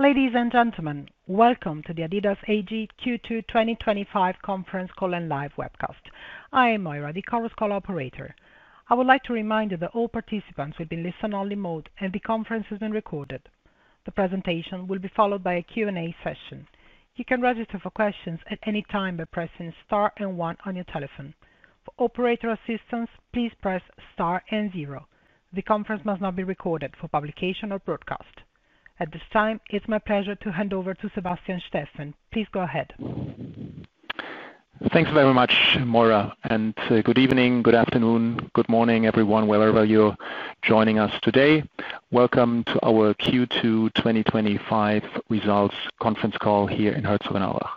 Ladies and gentlemen, welcome to the adidas AG Q2 2025 Conference Call and Live Webcast. I am Moira, the Chorus Call operator. I would like to remind you that all participants will be in listen only mode and the conference is being recorded. The presentation will be followed by a Q&A session. You can register for questions at any time by pressing *1 on your telephone. For operator assistance, please press *0. The conference must not be recorded for publication or broadcast. At this time. It's my pleasure to hand over to Sebastian Steffen. Please go ahead. Thanks very much, Moira, and good evening, good afternoon, good morning everyone, wherever you're joining us today. Welcome to our Q2 2025 Results Conference Call here in Herzogenaurach.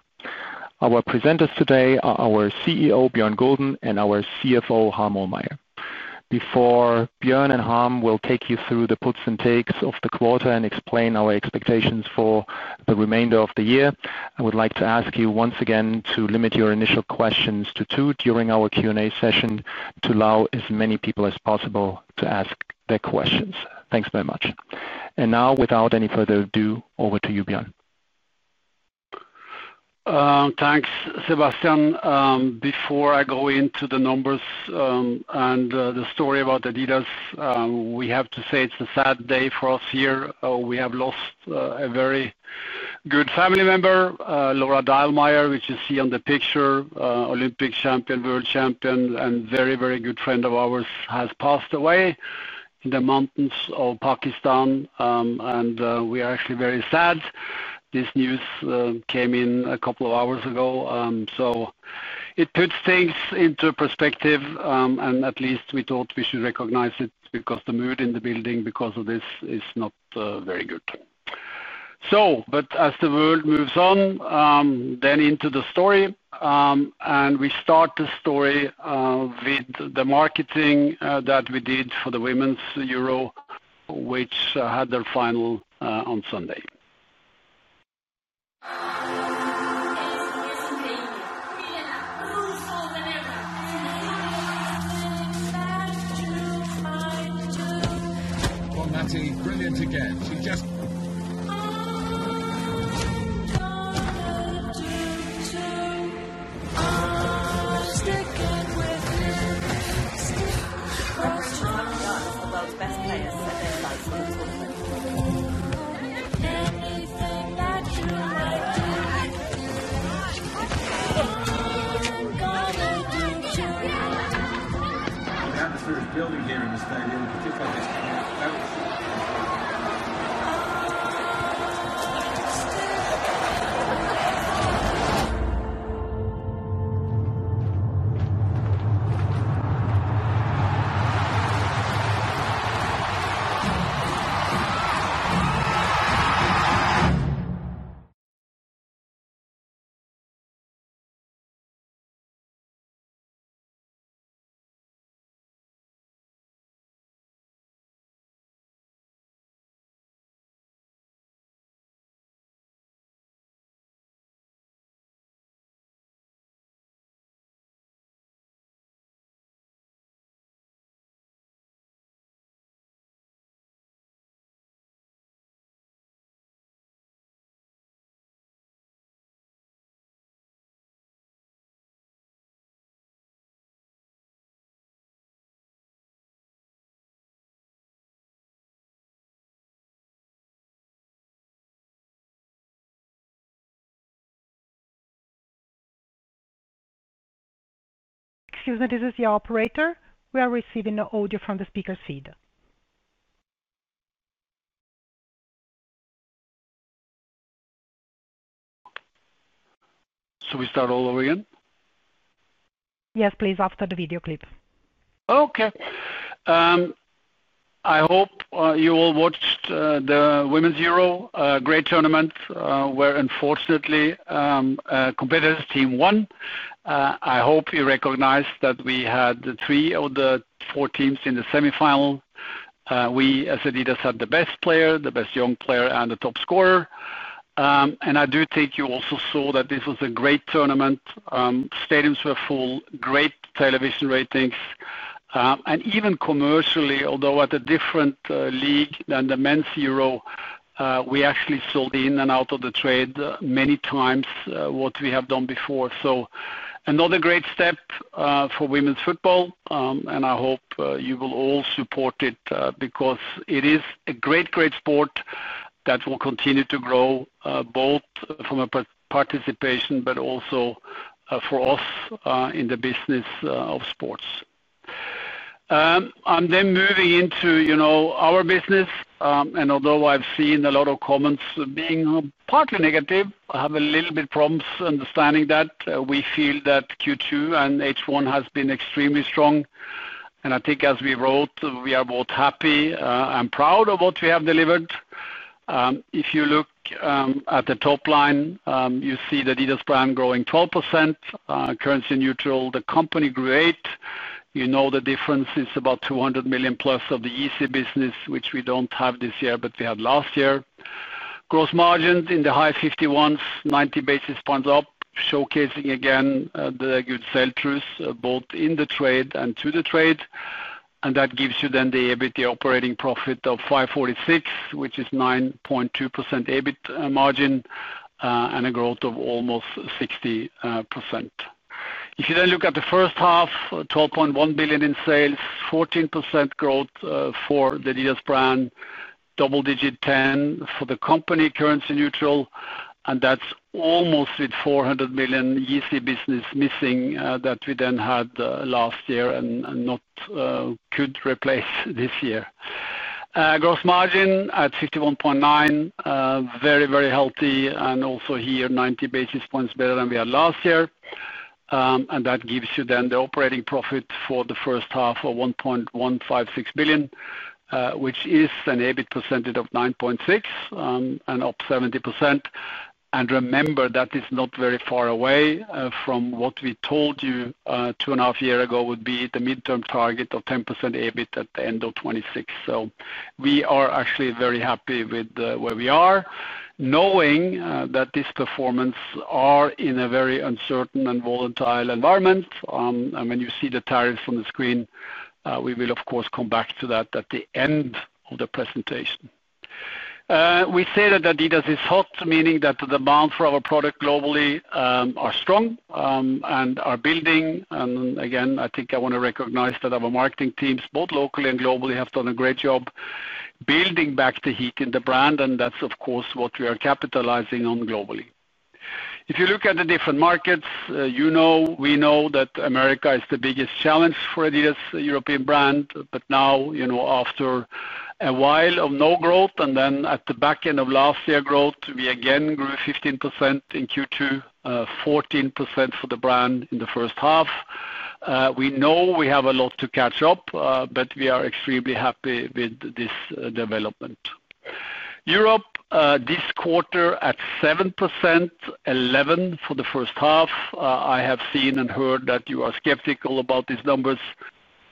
Our presenters today are our CEO Bjørn Gulden, and our CFO Harm Ohlmeyer. Before Bjørn and Harm will take you through the puts and takes of the quarter and explain our expectations for the remainder of the year, I would like to ask you once again to limit your initial questions to 2 during our Q&A session to allow as many people as possible to ask their questions. Thanks very much. Now, without any further ado, over to you, Bjørn. Thanks, Sebastian. Before I go into the numbers and the story about adidas, we have to say it's a sad day for us here. We have lost a very good family member, Laura Dahlmeier, which you see on the picture, Olympic champion, world champion and very, very good friend of ours has passed away in the mountains of Pakistan. We are actually very sad. This news came in a couple of hours ago, so it puts things into perspective and at least we thought we should recognize it because the mood in the building because of this, not very good. As the world moves on then into the story and we start the story with the marketing that we did for the Women's Euro, which had their final on Sunday. Excuse me, this is the operator. We are receiving audio from the speaker feed. Should we start all over again? Yes, please, after the video clip. Okay, I hope you all watched the women's Euro. Great tournament where unfortunately the competitor's team won. I hope you recognize that we had three of the four teams in the semifinal. We as adidas had the best player, the best young player, and the top scorer. I do think you also saw that this was a great tournament, stadiums were full, great television ratings, and even commercially, although at a different league than the Men's Euro, we actually sold in and out of the trade many times what we have done before. Another great step for women's football, and I hope you will all support it because it is a great, great, great sport that will continue to grow both from participation, but also for us in the business of sports. I'm then moving into our business, and although I've seen a lot of comments being partly negative, I have a little bit of problems understanding that. We feel that Q2 and H1 have been extremely strong, and I think as we wrote, we are both happy and proud of what we have delivered. If you look at the top line, you see the adidas prime growing 12% currency neutral. The company grew 8%. You know the difference is about €200 million plus of the Yeezy business which we don't have this year, but we had last year. Gross margins in the high 51s, 90 basis points up, showcasing again the good sell-through both in the trade and to the trade. That gives you then the EBIT operating profit of €546 million, which is a 9.2% EBIT margin and a growth of almost 60%. If you then look at the first half, €12.1 billion in sales, 14% growth for the adidas brand, double-digit 10% for the company currency neutral. That's almost with €400 million Yeezy business missing that we then had last year and not could replace this year. Gross margin at 51.9%. Very, very healthy. Also here, 90 basis points better than we had last year. That gives you then the operating profit for the first half of €1.156 billion, which is an EBIT percentage of 9.6% and up 70%. Remember that is not very far away from what we told you two and a half years ago would be the midterm target of 10% EBIT at the end of 2026. We are actually very happy with where we are, knowing that these performances are in a very uncertain and volatile environment. When you see the tariffs on the screen, we will of course come back to that. At the end of the presentation, we say that adidas is hot, meaning that the demand for our product globally is strong and is building. I think I want to recognize that our marketing teams both locally and globally have done a great job building back the heat in the brand. That is of course what we are capitalizing on globally. If you look at the different markets, you know, we know that America is the biggest challenge for adidas European brand. Now, after a while of no growth and then at the back end of last year growth, we again grew 15% in Q2, 14% for the brand in the first half. We know we have a lot to catch up, but we are extremely happy with this development. Europe this quarter at 7%, 11% for the first half. I have seen and heard that you are skeptical about these numbers.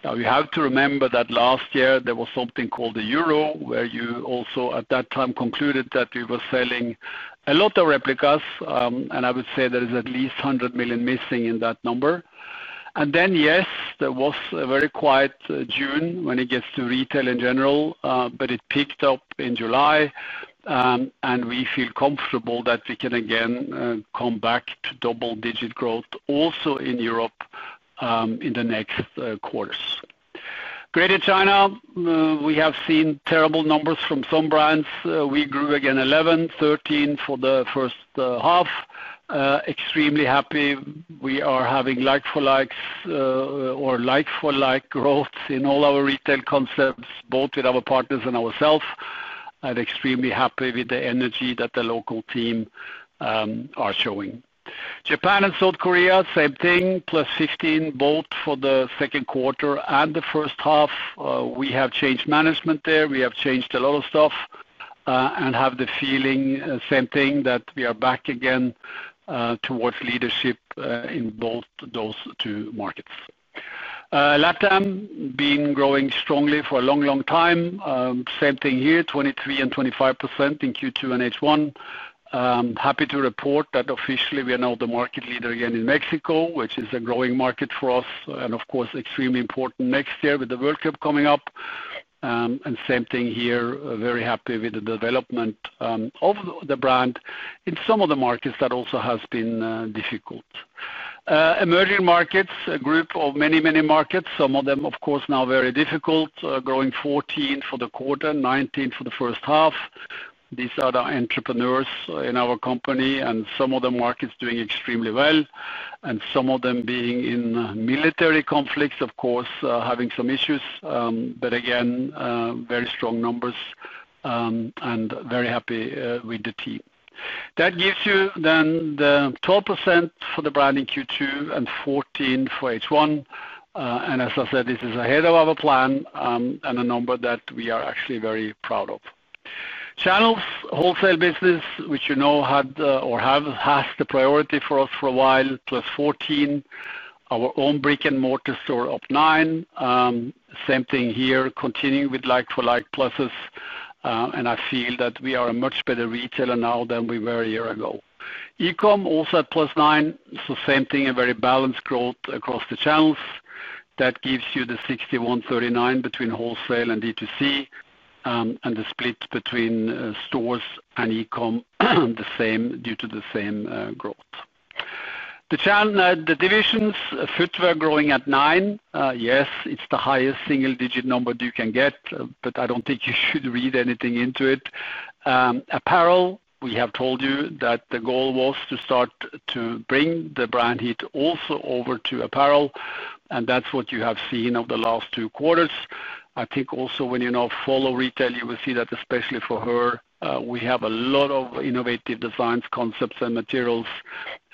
You have to remember that last year there was something called the Euro where you also at that time concluded that we were selling a lot of replicas. I would say there is at least 100 million missing in that number. Yes, there was a very quiet June when it gets to retail in general, but it picked up in July and we feel comfortable that we can again come back to double-digit growth also in Europe in the next quarters. Greater China, we have seen terrible numbers from some brands. We grew again 11%, 13% for the first half. Extremely happy we are having like-for-like growth in all our retail concepts, both with our partners and ourselves. Extremely happy with the energy that the local team are showing. Japan and South Korea, same thing. Plus 15% both for the second quarter and the first half. We have changed management there. We have changed a lot of stuff and have the feeling, same thing, that we are back again towards leadership in both those two markets. Latin America has been growing strongly for a long, long time. Same thing here, 23% and 25% in Q2 and H1. Happy to report that officially we are now the market leader again in Mexico, which is a growing market for us and of course extremely important next year with the World Cup coming up. Same thing here. Very happy with the development of the brand in some of the markets that also have been difficult. Emerging markets, a group of many, many markets, some of them of course now very difficult growing, 14% for the quarter, 19% for the first half. Growing. These are the entrepreneurs in our company and some of the markets doing extremely well and some of them being in military conflicts, of course having some issues. Again, very strong numbers and very happy with the team that gives you then the 12% for the brand in Q2 and 14% for H1. As I said, this is ahead of our plan and a number that we are actually very proud of. Channels, wholesale business, which you know, had or have has the priority for us for a while. Plus 14%, our own brick and mortar store of 9%. Same thing here, continuing with like-for-like pluses. I feel that we are a much better retailer now than we were a year ago. E. Com also at +9%. Same thing, a very balanced growth across the channels. That gives you the 61-39 between wholesale and D2C and the split between stores and E. Com the same due to the same growth, the divisions footwear growing at 9%. Yes, it is the highest single-digit number you can get. I do not think you should read anything into it. Apparel, we have told you that the goal was to start to bring the brand heat also over to apparel, and that is what you have seen over the last two quarters. I think also when you now follow retail, you will see that especially for her, we have a lot of innovative designs, concepts, and materials.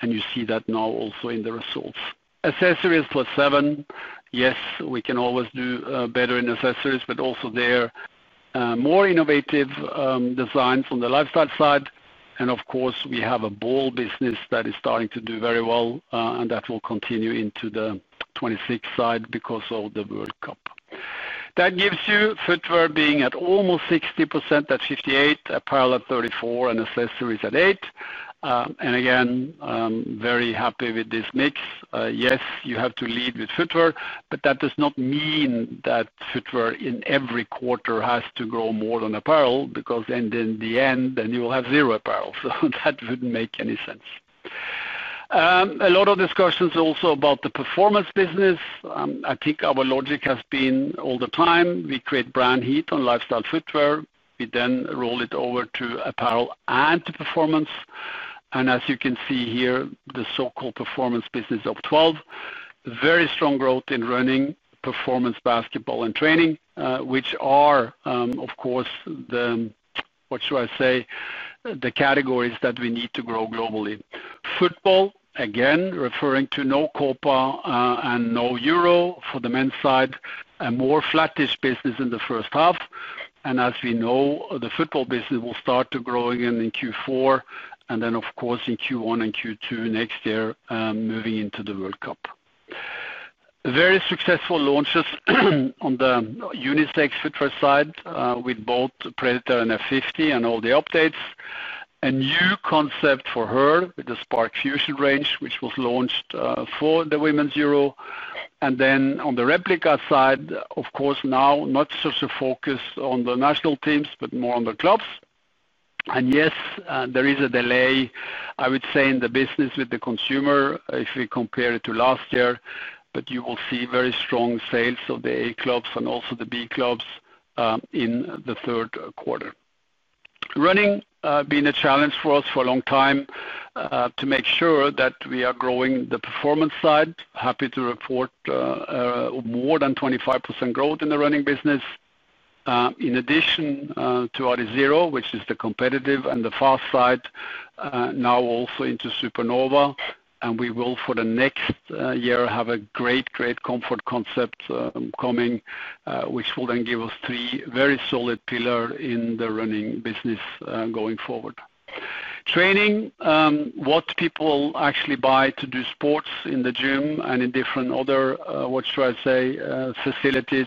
You see that now also in the results. Accessories for 7%. Yes, we can always do better in accessories, but also there more innovative designs on the lifestyle side. Of course, we have a ball business that is starting to do very well and that will continue into the 2026 side because of the World Cup. That gives you footwear being at almost 60% at 58%, apparel at 34%, and accessories at 8%. Again, very happy with this mix. Yes, you have to lead with footwear, but that does not mean that footwear in every quarter has to grow more than apparel because in the end then you will have zero apparel. That would not make any sense. A lot of discussions also about the performance business. I think our logic has been all the time we create brand heat on lifestyle footwear, we then roll it over to apparel and performance. As you can see here, the so-called performance business of 12%, very strong growth in running, performance, basketball, and training, which are of course, what should I say, the categories that we need to grow globally. Football, again referring to no Copa and no Euro for the men's side. A more flattish business in the first half. As we know, the football business will start to grow again in Q4 and then of course in Q1 and Q2 next year moving into the World Cup. Very successful launches on the unisex side with both Predator and F50 and all the updates. A new concept for her with the SparkFusion range which was launched for the women's Euro. Then on the replica side of course now not so focus on the national teams, but more on the clubs. Yes, there is a delay I would say in the business with the consumer if we compare it to last year. You will see very strong sales of the A clubs and also the B clubs in the third quarter. Running been a challenge for us for a long time to make sure that we are growing the performance side. Happy to report more than 25% growth in the running business. In addition to Adizero, which is the competitive and the Fast side, now also into Supernova and we will for the next year have a great, great comfort concept coming which will then give us three very solid pillars in the running business going forward. Training what people actually buy to do sports in the gym and in different other, what should I say, facilities,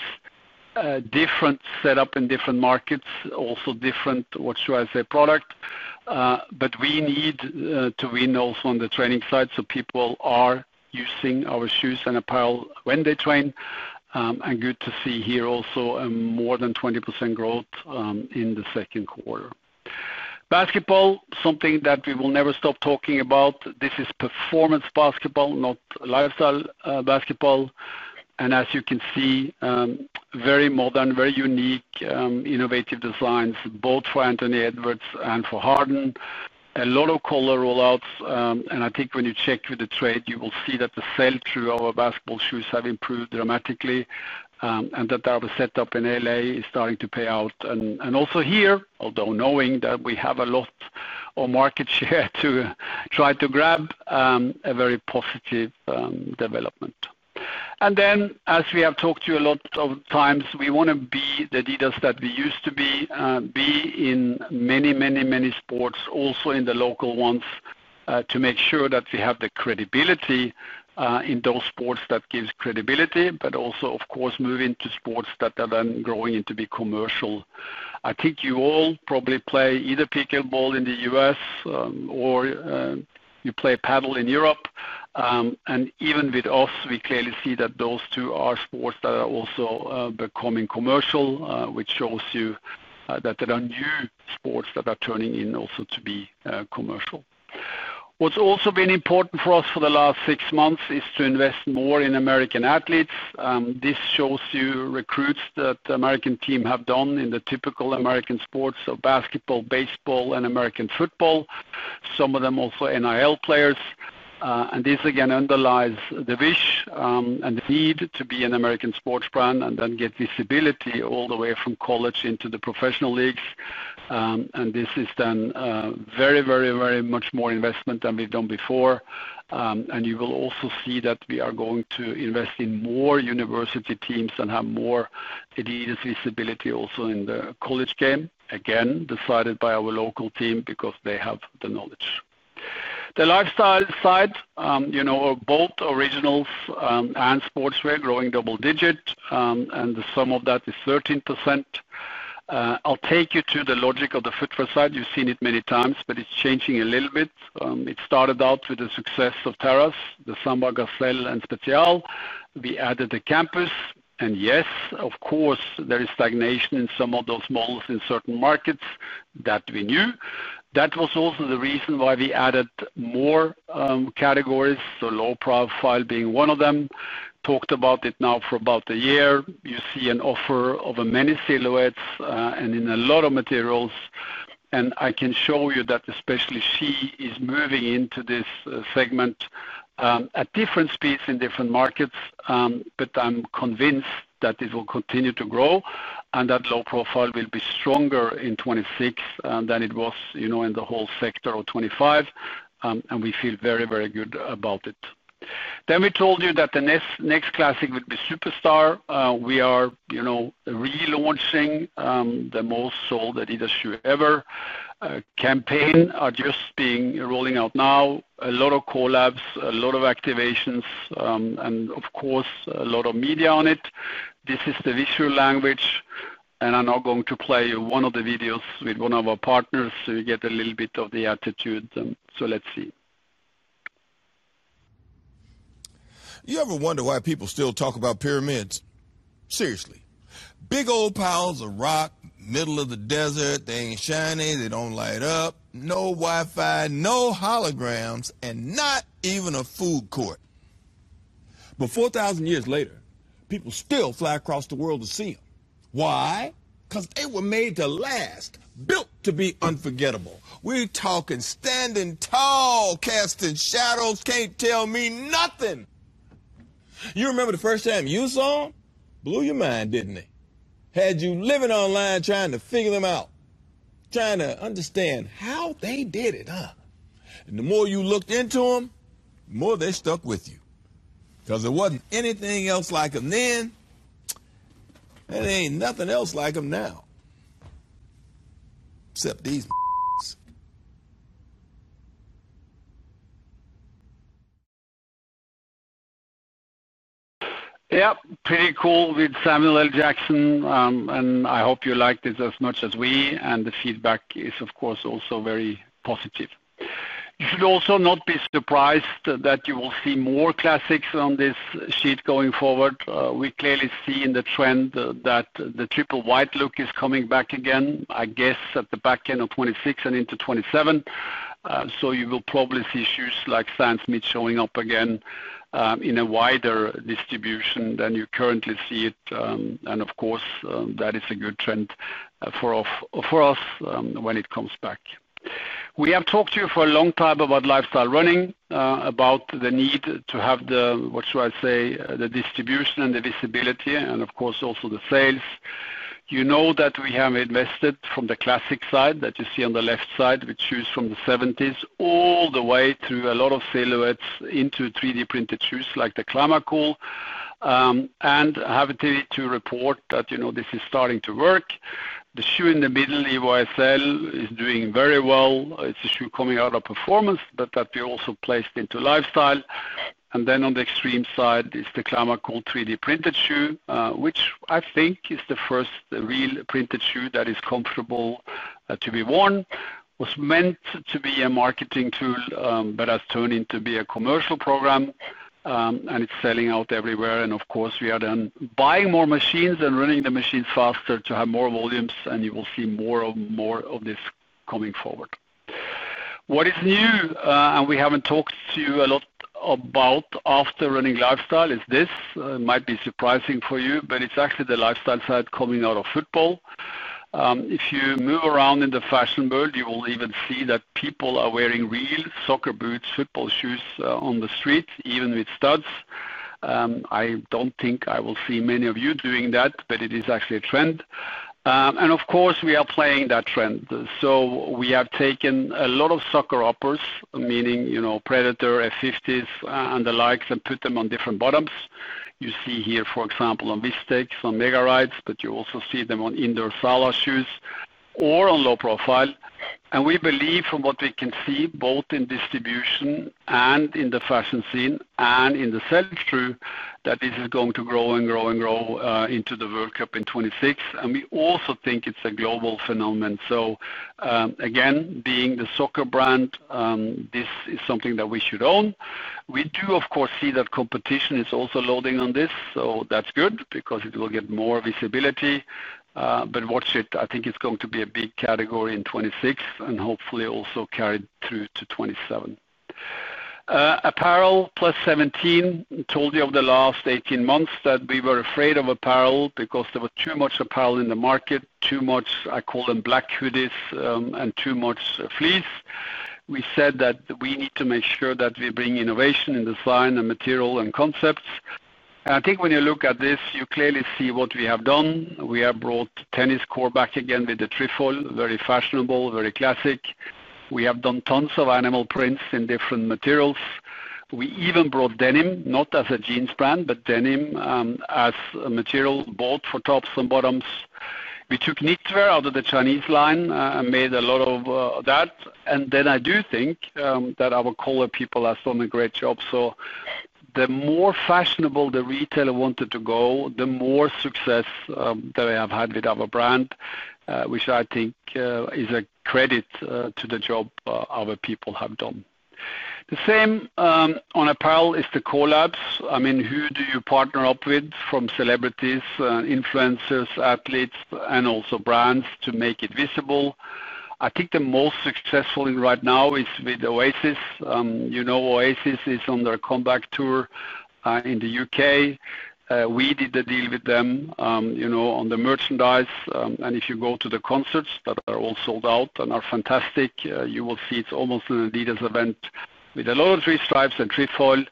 different setup in different markets. Also different, what should I say? Product? We need to win also on the training side. People are using our shoes and apparel when they train. Good to see here also more than 20% growth in the second quarter. Basketball, something that we will never stop talking about. This is performance basketball, not lifestyle basketball. As you can see, very modern, very unique, innovative designs both for Anthony Edwards and for Harden. A lot of color rollouts. I think when you check with the trade, you will see that the sell-through of our basketball shoes has improved dramatically and that our setup in LA is starting to pay out. Also here, although knowing that we have a lot of market share to try to grab, a very positive development. As we have talked to you a lot of times, we want to be the leaders that we used to be in many, many, many sports, also in the local ones to make sure that we have the credibility in those sports that gives credibility. Also of course moving to sports that are then growing into being commercial. I think you all probably play either pickleball in the U.S. or you play Padel in Europe. Even with us, we clearly see that those two are sports that are also becoming commercial. Which shows you that there are new sports that are turning in also to be commercial. What's also been important for us for the last six months is to invest more in American athletes. This shows you recruits that the American team have done in the typical American sports of basketball, baseball, and American football. Some of them also NIL players. This again underlies the wish and the need to be an American sports brand and then get visibility all the way from college into the professional leagues. This is then very, very, very much more investment than we've done before. You will also see that we are going to invest in more university teams and have more adidas visibility also in the college game, again, decided by our local team because they have the knowledge. The lifestyle side, both Originals and Sportswear, growing double digit. The sum of that is 13%. I'll take you to the logic of the footwear side. You've seen it many times but it started out with the success of Terrex, the Samba, Gazelle, and Spezial. We added the Campus. Yes, of course there is stagnation in some of those models in certain markets that we knew. That was also the reason why we added more categories, low profile being one of them. Talked about it now for about a year. You see an offer of many silhouettes and in a lot of materials. I can show you that especially she is moving into this segment at different speeds in different markets. I am convinced that it will continue to grow and that low profile will be stronger in 2026 than it was in the whole sector of 2025. We feel very, very good about it. We told you that the next classic would be Superstar. We are relaunching the most sold at industry ever. Campaigns, just being rolling out now. A lot of collabs, a lot of activations, and of course a lot of media on it. This is the visual language and I am now going to play one of the videos with one of our partners, so you get a little bit of the attitude. Let's see. You ever wonder why people still talk about pyramids? Seriously? Big old piles of rock, middle of the desert. They ain't shiny, they don't light up. No wifi, no holograms and not even a food court. Four thousand years later, people still fly across the world to see them. Why? Cause they were made to last. Built to be unforgettable. We talking standing tall, casting shadows. Can't tell me nothing. You remember the first time you saw. Blew your mind, didn't they? Had you living online, trying to figure them out, trying to understand how they did it, huh? The more you looked into them, more they stuck with you. Because there wasn't anything else like them then. Ain't nothing else like them now. Except these. Yeah, pretty cool with Samuel L. Jackson. I hope you like this as much as we. The feedback is of course also very positive. You should also not be surprised that you will see more classics on this sheet going forward. We clearly see in the trend that the triple white look is coming back again, I guess at the back end of 2026 and into 2027. You will probably see shoes like Stan Smith showing up again in a wider distribution than you currently see it. Of course that is a good trend for us when it comes back. We have talked to you for a long time about lifestyle running, about the need to have the, what should I say, the distribution and the visibility and of course also the sales, you know, that we have invested from the classic side that you see on the left side with shoes from the 1970s all the way through a lot of silhouettes into 3D printed shoes like the Climacool and have a TV to report that, you know, this is starting to work. The shoe in the middle, SL, is doing very well. It's a shoe coming out of performance, but that we also placed into lifestyle. On the extreme side is the Climacool 3D-printed shoe, which I think is the first real printed shoe that is comfortable to be worn. Was meant to be a marketing tool but has turned into a commercial program and it's selling out everywhere. Of course we are then buying more machines and running the machines faster to have more volumes. You will see more and more of this coming forward. What is new and we haven't talked to you a lot about after running lifestyle is, this might be surprising for you, but it's actually the lifestyle side coming out of football. If you move around in the fashion world, you will even see that people are wearing real soccer boots, football shoes on the street, even with studs. I don't think I will see many of you doing that. It is actually a trend. Of course we are playing that trend. We have taken a lot of soccer uppers, meaning Predator, F50s and the likes, and put them on different bottoms. You see here for example on VStech on Megarides, but you also see them on indoor Salah shoes or on low profile. We believe from what we can see both in distribution and in the fashion scene and in the sell through that this is going to grow and grow and into the World Cup in 2026. We also think it's a global phenomenon. Again, being the soccer brand, this is something that we should own. We do of course see that competition is also loading on this. That is good because it will get more visibility. Watch it, I think it's going to be a big category in 2026 and hopefully also carried through to 2027. Apparel plus 17 told you over the last 18 months that we were afraid of apparel because there was too much apparel in the market. Too much, I call them black hoodies and too much fleece. We said that we need to make sure that we bring innovation in design and material and concepts. I think when you look at this, you clearly see what we have done. We have brought tennis core back again with the Trefoil. Very fashionable, very classic. We have done tons of animal prints in different materials. We even brought denim, not as a jeans brand, but denim as a material bought for tops and bottoms. We took knitwear out of the chinese line, made a lot of that. I do think that our color people have done a great job. The more fashionable the retailer wanted to go, the more success they have had with our brand, which I think is a credit to the job. Other people have done the same on apparel is the collabs. I mean, who do you partner up with from celebrities, influencers, athletes and also brands to make it visible. I think the most successful right now is with Oasis. You know, Oasis is on their comeback tour in the U.K. We did the deal with them on the merchandise. If you go to the concerts that are all sold out and are fantastic, you will see it's almost an adidas event with a lot of three stripes and Trefoil.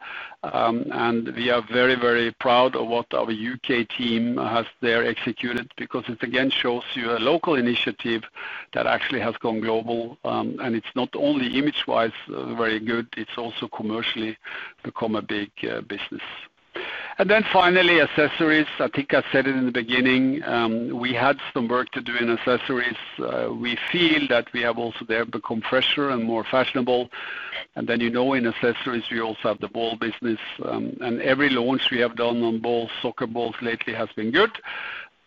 We are very, very proud of what our U.K. team has there executed because it again shows you a local initiative that actually has gone global. It's not only image-wise very good, it's also commercially become a big business. Finally, accessories, I think I said it in the beginning, we had some work to do in accessories. We feel that we have also there become fresher and more fashionable. In accessories, we also have the ball business. Every launch we have done on balls, soccer balls lately has been good.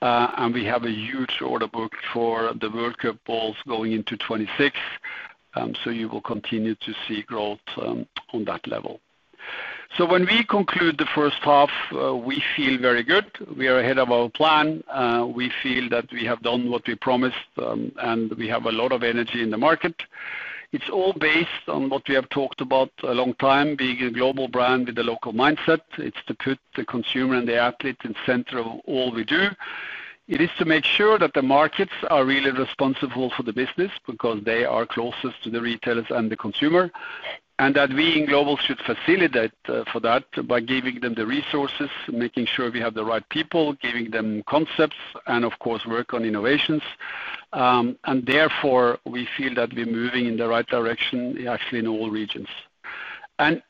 We have a huge order book for the World Cup balls going into 2026. You will continue to see growth on that level. When we conclude the first half, we feel very good. We are ahead of our plan. We feel that we have done what we promised and we have a lot of energy in the market. It's all based on what we have talked about a long time, being a global brand with a local mindset. It's to put the consumer and the athletes in the center of all we do. It is to make sure that the markets are really responsible for the business because they are closest to the retailers and the consumer. We in global should facilitate for that by giving them the resources, making sure we have the right people, giving them concepts, and of course work on innovations. We feel that we're moving in the right direction actually in all regions.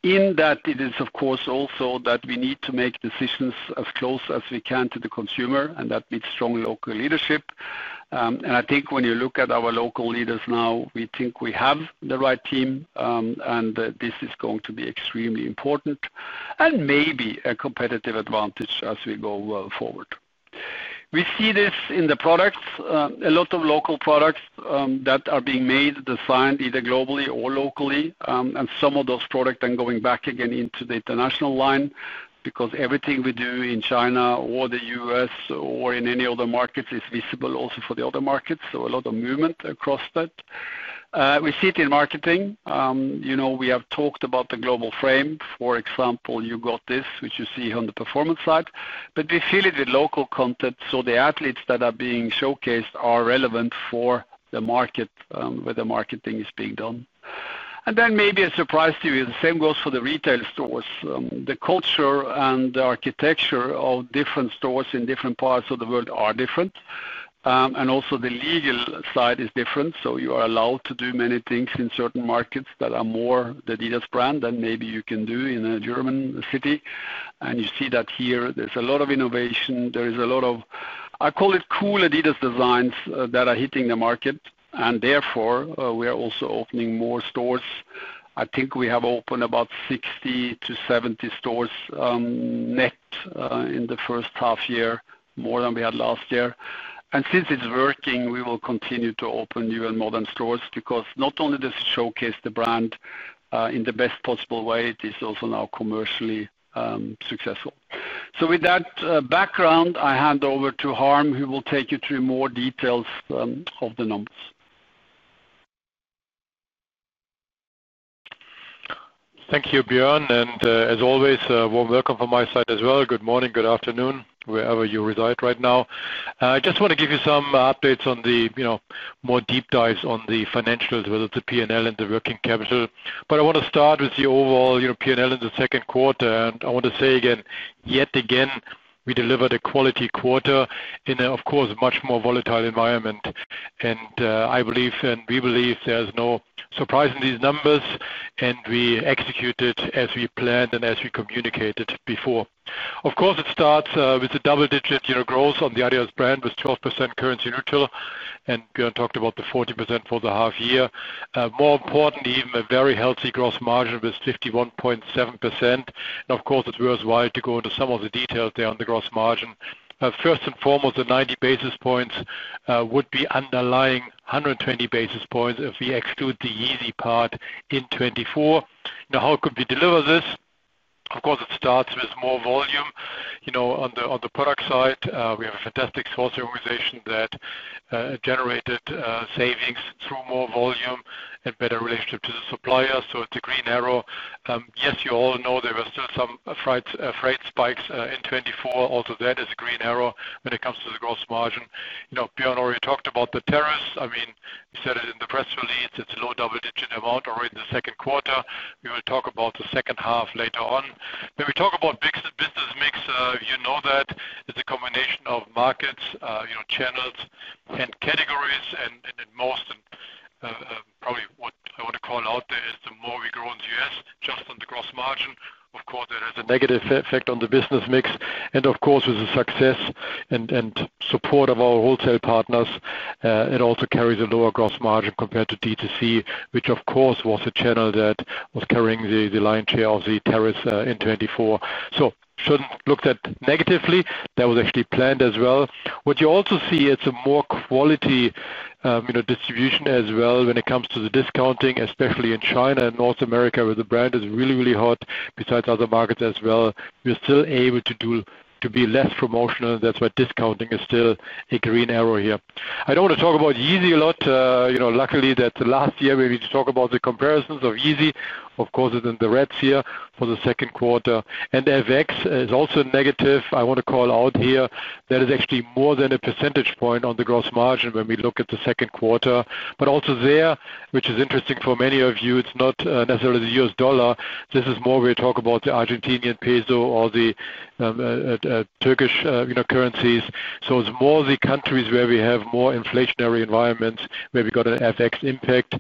In that it is of course also that we need to make decisions as close as we can to the consumer. That needs strong local leadership. I think when you look at our local leaders now, we think we have the right team. This is going to be extremely, extremely important and maybe a competitive advantage as we go forward. We see this in the products, a lot of local products that are being made, designed either globally or locally. Some of those products then go back again into the international line. Everything we do in China or the U.S. or in any other market is visible also for the other markets. There is a lot of movement across that. We see it in marketing. We have talked about the global frame. For example, you got this, which you see on the performance side, but we fill it with local content so the athletes that are being showcased are relevant for the market where the marketing is being done. Maybe a surprise to you, the same goes for the retail stores. The culture and architecture of different stores in different parts of the world are different. Also the legal side is different. You are allowed to do many things in certain markets that are more the adidas brand than maybe you can do in a German city. You see that here. There's a lot of innovation, there is a lot of, I call it cool adidas designs that are hitting the market. Therefore we are also opening more stores. I think we have opened about 60-70 stores net in the first half year, more than we had last year. Since it's working, we will continue to open new and modern stores because not only does it showcase the brand in the best possible way, it is also now commercially successful. With that background, I hand over to Harm, who will take you through more details of the numbers. Thank you, Bjørn, and as always, a warm welcome from my side as well. Good morning, good afternoon wherever you reside. Right now I just want to give you some updates on the, you know, more deep dives on the financials, whether the P&L and the working capital. I want to start with the overall P&L in the second quarter. I want to say again, yes, yet again, we delivered a quality quarter in, of course, much more volatile environment. I believe, and we believe, there's no surprise in these numbers. We executed as we planned and as we communicated before. Of course it starts with a double-digit growth on the adidas brand with 12% currency-neutral. Bjørn talked about the 40% for the half year. More importantly, a very healthy gross margin with 51.7%. Of course it's worthwhile to go into some of the details there on the gross margin. First and foremost, the 90 basis points would be underlying 120 basis points if we exclude the Yeezy part in 2024. Now, how could we deliver this? Of course it starts with more volume on the product side. We have a fantastic sourcing organization that generated savings through more volume and better relationship to the supplier. So it's a green arrow. Yes.You all know there were still some freight spikes in 2024 also. That is a green arrow when it comes to the gross margin. You know, Bjørn already talked about the tariffs. I mean, we said it in the press release. It is a low double-digit amount already in the second quarter. We will talk about the second half later on when we talk about business mix. You know that it is a combination of markets, channels and categories. Most and probably what I want to call out there is the more we grow in the US just on the gross margin. Of course it has a negative effect on the business mix and of course with the success and support of our wholesale partners and also carries a lower gross margin compared to D2C which of course was a channel that was carrying the lion's share of the tariffs in 2024. Should not look that negatively. That was actually planned as well. What you also see, it is a more quality distribution as well when it comes to the discounting, especially in China and North America where the brand is really, really hot. Besides other markets as well, we are still able to be less promotional. That is why discounting is still a green arrow here. I do not want to talk about Yeezy a lot. Luckily last year we talk about the comparisons of Yeezy. Of course it is in the reds here for the second quarter. FX is also negative. I want to call out here, that is actually more than a percentage point on the gross margin when we look at the second quarter. Also there, which is interesting for many of you, it is not necessarily the US dollar. This is more we talk about the Argentinian peso or the Turkish currencies. It is more the countries where we have more inflationary environments where we have got an FX impact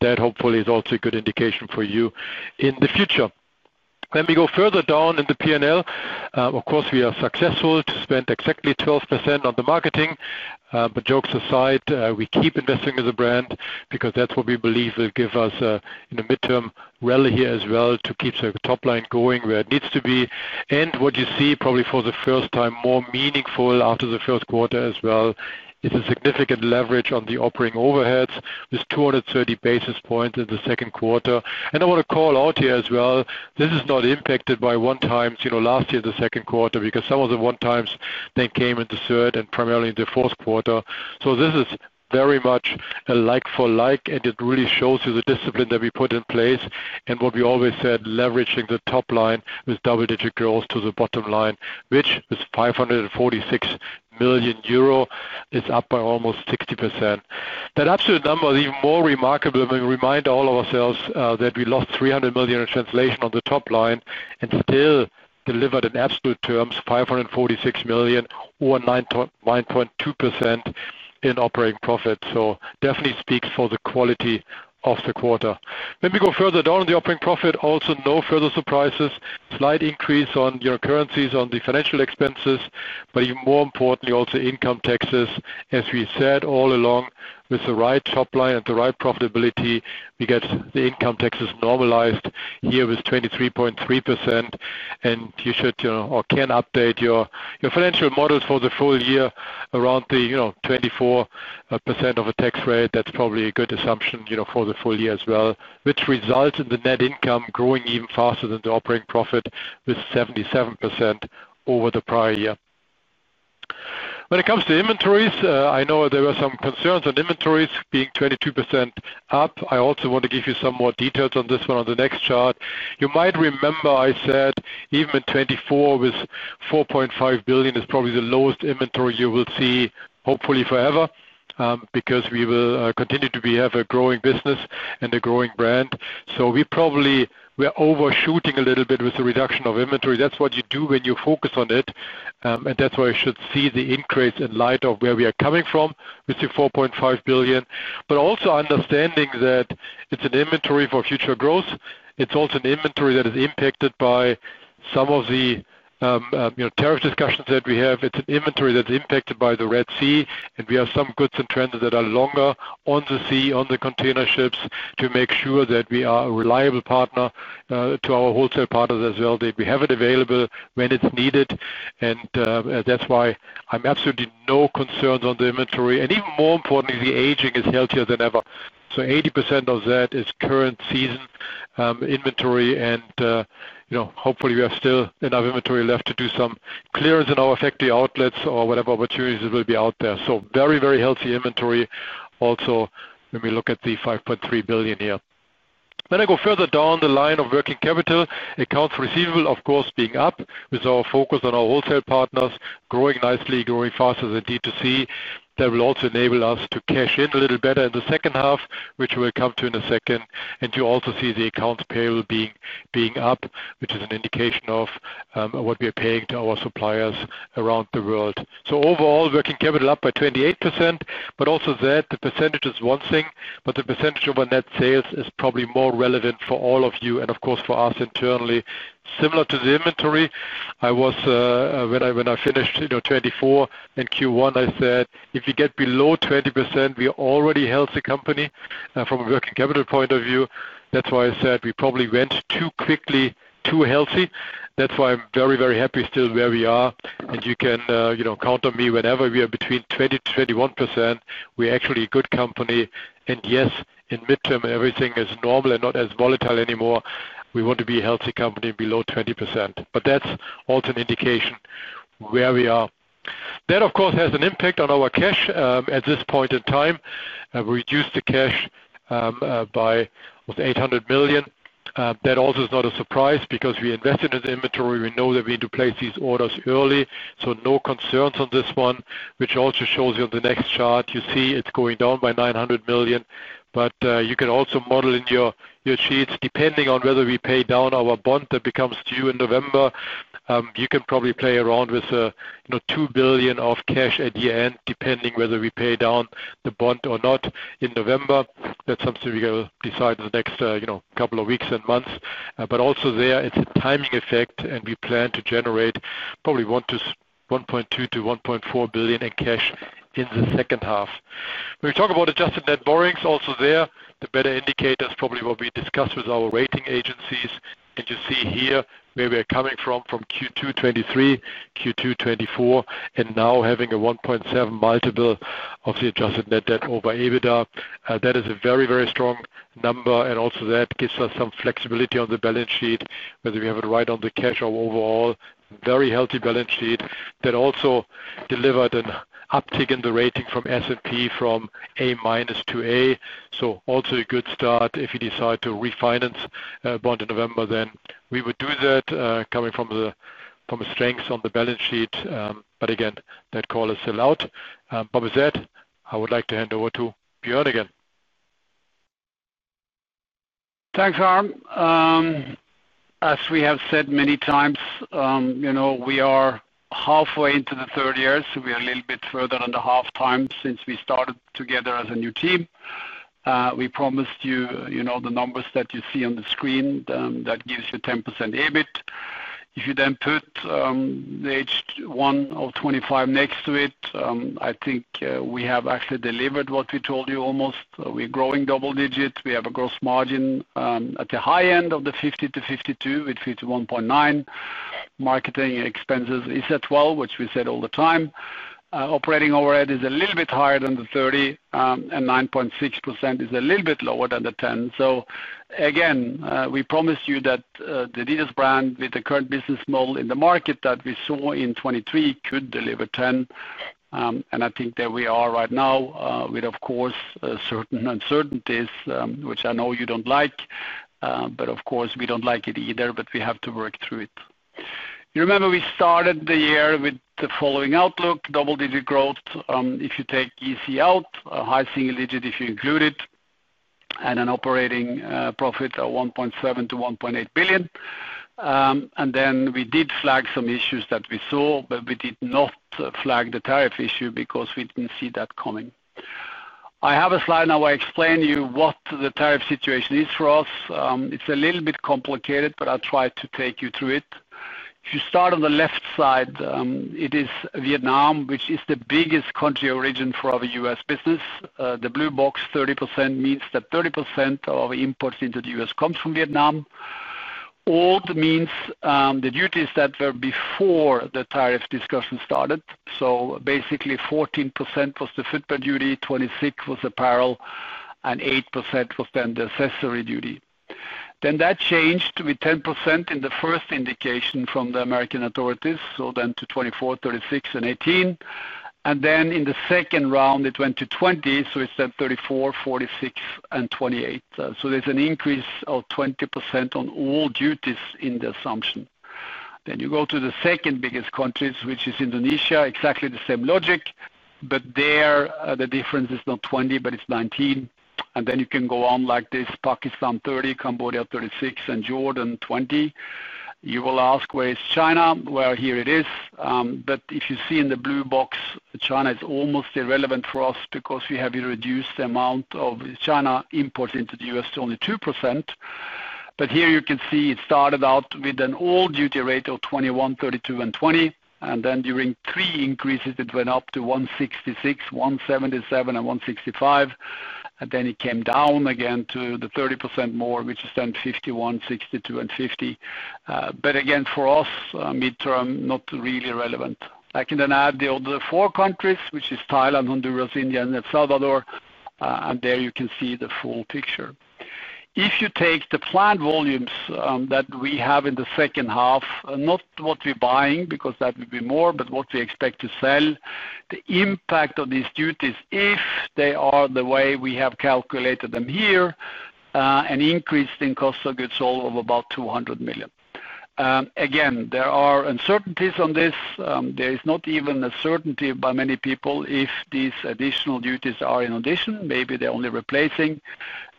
that hopefully is also a good indication for you in the future. When we go further down in the P&L, of course we are successful to spend exactly 12% on the marketing. Jokes aside, we keep investing as a brand because that is what we believe will give us a midterm rally here as well to keep the top line going where it needs to be and what you see probably for the first time more meaningful after the first quarter as well. It is a significant leverage on the operating overheads, with 230 basis points in the second quarter. I want to call out here as well, this is not impacted by one-times, last year in the second quarter because some of the one-times then came in the third and primarily in the fourth quarter. This is very much a like-for-like and it really shows you the discipline that we put in place and what we always said, leveraging the top line with double-digit growth to the bottom line, which is 546 million euro, it's up by almost 60%. That absolute number is even more remarkable and remind all of ourselves that we lost 300 million in translation on the top line and still delivered in absolute terms 546 million or 9.2% in operating profit. Definitely speaks for the quality of the quarter. When we go further down the operating profit, also no further surprises. Slight increase on your currencies, on the financial expenses, but even more importantly also income taxes as we said all along, with the right top line and the right profitability, we get the income taxes normalized here with 23.3%. You should or can update your financial models for the full year around the 24% of a tax rate. That's probably a good assumption for the full year as well, which results in the net income growing even faster than the operating profit with 77% over the prior year. When it comes to inventories, I know there were some concerns on inventories being 22% up. I also want to give you some more details on this one, on the next chart. You might remember I said even in 2024 with 4.5 billion is probably the lowest inventory you will see, hopefully forever, because we will continue to have a growing business and a growing brand. We probably, probably were overshooting a little bit with the reduction of inventory. That's what you do when you focus on it. That's why you should see the increase in light of where we are coming from. We see 4.5 billion, but also understanding that it's an inventory for future growth. It's also an inventory that is impacted by some of the tariff discussions that we have, tt's an inventory that's impacted by the Red Sea, we have some goods in transit that are longer on the sea, on the container ships to make sure that we are a reliable partner to our wholesale part of it as well. We have it available when it's needed. That's why I have absolutely no concerns on the inventory. Even more importantly, the aging is healthier than ever. 80% of that is current season inventory. Hopefully we have still enough inventory left to do some clearance in our factory outlets or whatever opportunities will be out there. Very, very healthy inventory. Also when we look at the 5.3 billion. Then I go further down the line of working capital, accounts receivable of course, being up with our focus on our wholesale partners growing nicely, growing faster than D2C. That will also enable us to cash in a little better in the second half, which we'll come to in a second. You also see the accounts payable being up, which is an indication of what we are paying to our suppliers around the world. Overall working capital up by 28%, but also that the percentage is one thing, but the percentage over net sales is probably more relevant for all of you and of course for us internally, similar to the inventory. When I finished 2024 in Q1, I said if you get below 20%, we are already a healthy company from a working capital point of view. That is why I said we probably went too quickly, too healthy. I am very, very happy still where we are. You can count on me whenever we are between 20-21%, we are actually a good company. Yes, in midterm everything is normal and not as volatile anymore. We want to be a healthy company below 20%, but that is also an indication where we are. That of course has an impact on our cash. At this point in time, we reduced the cash by 800 million. That also is not a surprise because we invested in the inventory. We know that we need to place these orders early. No concerns on this one, which also shows you on the next chart you see it is going down by 900 million. You can also model in your sheets, depending on whether we pay down our bond that becomes due in November. You can probably play around with 2 billion of cash at the end, depending whether we pay down the bond or not in November. That is something we will decide in the next couple of weeks and months. There it is a timing effect. We plan to generate probably 1.2-1.4 billion in cash in the second half. We talk about adjusted net borrowings also. There the better indicator is probably what we discussed with our rating agencies and you see here where we are coming from from Q2 2023, Q2 2024 and now having a 1.7 multiple of the adjusted net debt-over-EBITDA. That is a very, very strong number. That gives us some flexibility on the balance sheet, whether we have it right on the cash or overall very healthy balance sheet. That also delivered an uptick in the rating from S&P from A minus to A. Also a good start, if we decide to refinance bond in November. We would do that coming from the strengths on the balance sheet. Again, that call is still out. With that, I would like to hand over to Bjørn again. Thanks, Harm. As we have said many times, you know, we are halfway into the third year, so we are a little bit further than the half time since we started together as a new team. We promised you the numbers that you see on the screen. That gives you 10% EBIT if you then put the H1 of 2025 next to it. I think we have actually delivered what we told you almost. We're growing double digit. We have a gross margin at the high end of the 50-52 with 51.9. Marketing expenses is at 12%, which we said all the time. Operating overhead is a little bit higher than the 30 and 9.6% is a little bit lower than the. Again, we promise you that the adidas brand with the current business model in the market that we saw in 2023 could deliver 10%. I think there we are right now with of course certain uncertainties, which I know you don't like, but of course we don't like it either, but we have to work through it. You remember we started the year with the following outlook. Double digit growth, if you take EC out high single digit, if you included, and an operating profit of 1.7 billion-1.8 billion. We did flag some issues that we saw, but we did not flag the tariff issue because we didn't see that coming. I have a slide now. I explain you what the tariff situation is for us. It's a little bit complicated, but I'll try to take you through it. If you start on the left side, it is Vietnam, which is the biggest country origin for our US business. The blue box, 30% means that 30% of our imports into the US comes from Vietnam. Old means the duties that were before the tariff discussion started. Basically 14% was the footwear duty, 26% was apparel and 8% was then the accessory duty. That changed with 10% in the first indication from the American authorities. Then to 24%, 36% and 18%. In the second round it went to 20%. It's then 34%, 46% and 28%. There's an increase of 20% on all duties in the assumption. You go to the second biggest country, which is Indonesia. Exactly the same logic, but there the difference is not 20%, but it's 19%. You can go on like this. Pakistan 30%, Cambodia 36% and Jordan 20%. You will ask where is China? Here it is. If you see in the blue box, China is almost irrelevant for us because we have reduced the amount of China imports into the US to only 2%. Here you can see it started out with an all duty rate of 21%, 32% and 20% and then during three increases it went up to 166%, 177% and 165%. Then it came down again to the 30% more, which is then 51, 62, and 50. For U.S. midterm, not really relevant. I can then add the other four countries, which are Thailand, Honduras, India, and El Salvador. There you can see the full picture. If you take the planned volumes that we have in the second half, not what we are buying because that would be more, but what we expect to sell, the impact of these duties, if they are the way we have calculated them here, is an increase in cost of goods sold of about 200 million. There are uncertainties on this. There is not even a certainty by many people if these additional duties are in addition; maybe they are only replacing.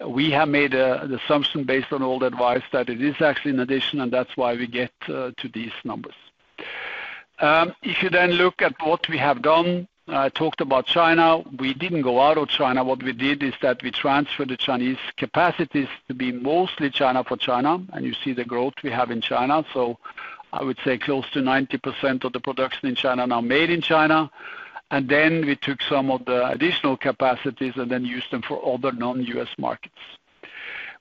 We have made an assumption based on old advice that it is actually in addition, and that is why we get to these numbers. If you look at what we have done, I talked about China, we did not go out of China. What we did is that we transferred the Chinese capacities to be mostly China for China. You see the growth we have in China. I would say close to 90% of the production in China is now made in China. We took some of the additional capacities and used them for other non-U.S. markets.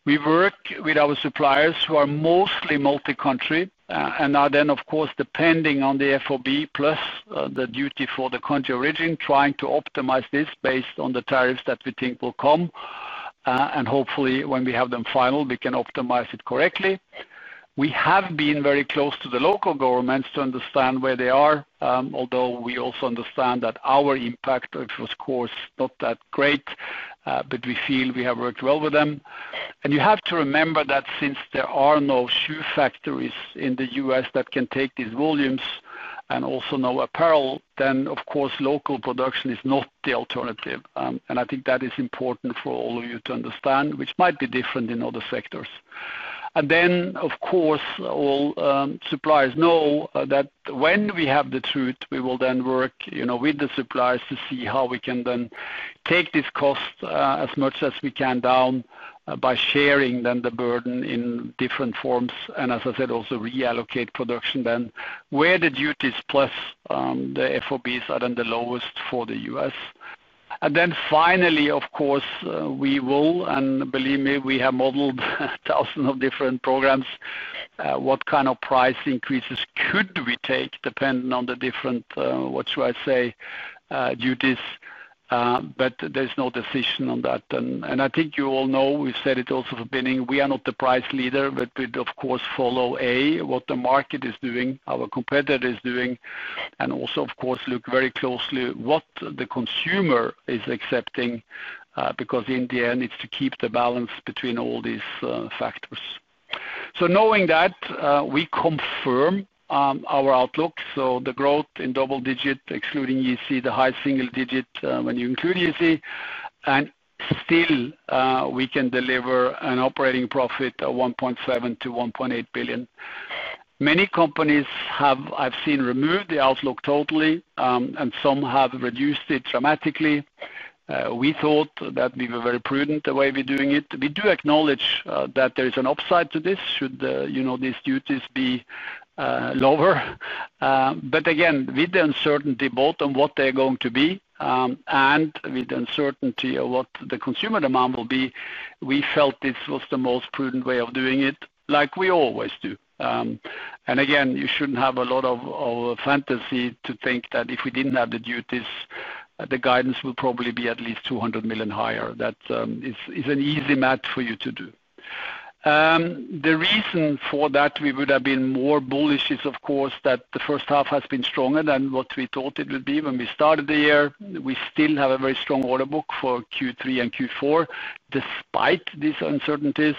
We work with our suppliers, who are mostly multi-country, and are of course depending on the FOB plus the duty for the country of origin, trying to optimize this based on the tariffs that we think will come, and hopefully when we have them final, we can optimize it correctly. We have been very close to the local governments to understand where they are, although we also understand that our impact is not that great, but we feel we have worked well with them. You have to remember that since there are no shoe factories in the U.S. that can take these volumes and also no apparel, local production is not the alternative. I think that is important for all of you to understand, which might be different in other sectors. All suppliers know that when we have the truth, we will work with the suppliers to see how we can take this cost as much as we can down by sharing the burden in different forms and, as I said, also reallocate production where the duties plus the FOBs are the lowest for the U.S.. Finally, we will, and believe me, we have modelled thousands of different programs, what kind of price increases we could take depending on the different, what should I say, duties. There is no decision on that. I think you all know we've said it also from the beginning, we are not the price leader, but we of course follow what the market is doing, our competitor is doing, also of course look very closely at what the consumer is accepting. In the end, it is to keep the balance between all these factors. Knowing that, we confirm our outlook, so the growth in double digits excluding EC, the high single digit when you include EC, and still we can deliver an operating profit of 1.7 billion-1.8 billion. Many companies have, I've seen, removed the outlook totally and some have reduced it dramatically. We thought that we were very prudent. We're doing it. We do acknowledge that there is an upside to this should, you know, these duties be lower. Again, with the uncertainty both on what they're going to be and with the uncertainty of what the consumer demand will be, we felt this was the most prudent way of doing it, like we always do. You shouldn't have a lot of fantasy to think that if we didn't have the duties, the guidance would probably be at least 200 million higher. That is an easy matter for you to do. The reason for that, we would have been more bullish, is of course that the first half has been stronger than what we thought it would be when we started the year. We still have a very strong order book for Q3 and Q4, despite these uncertainties.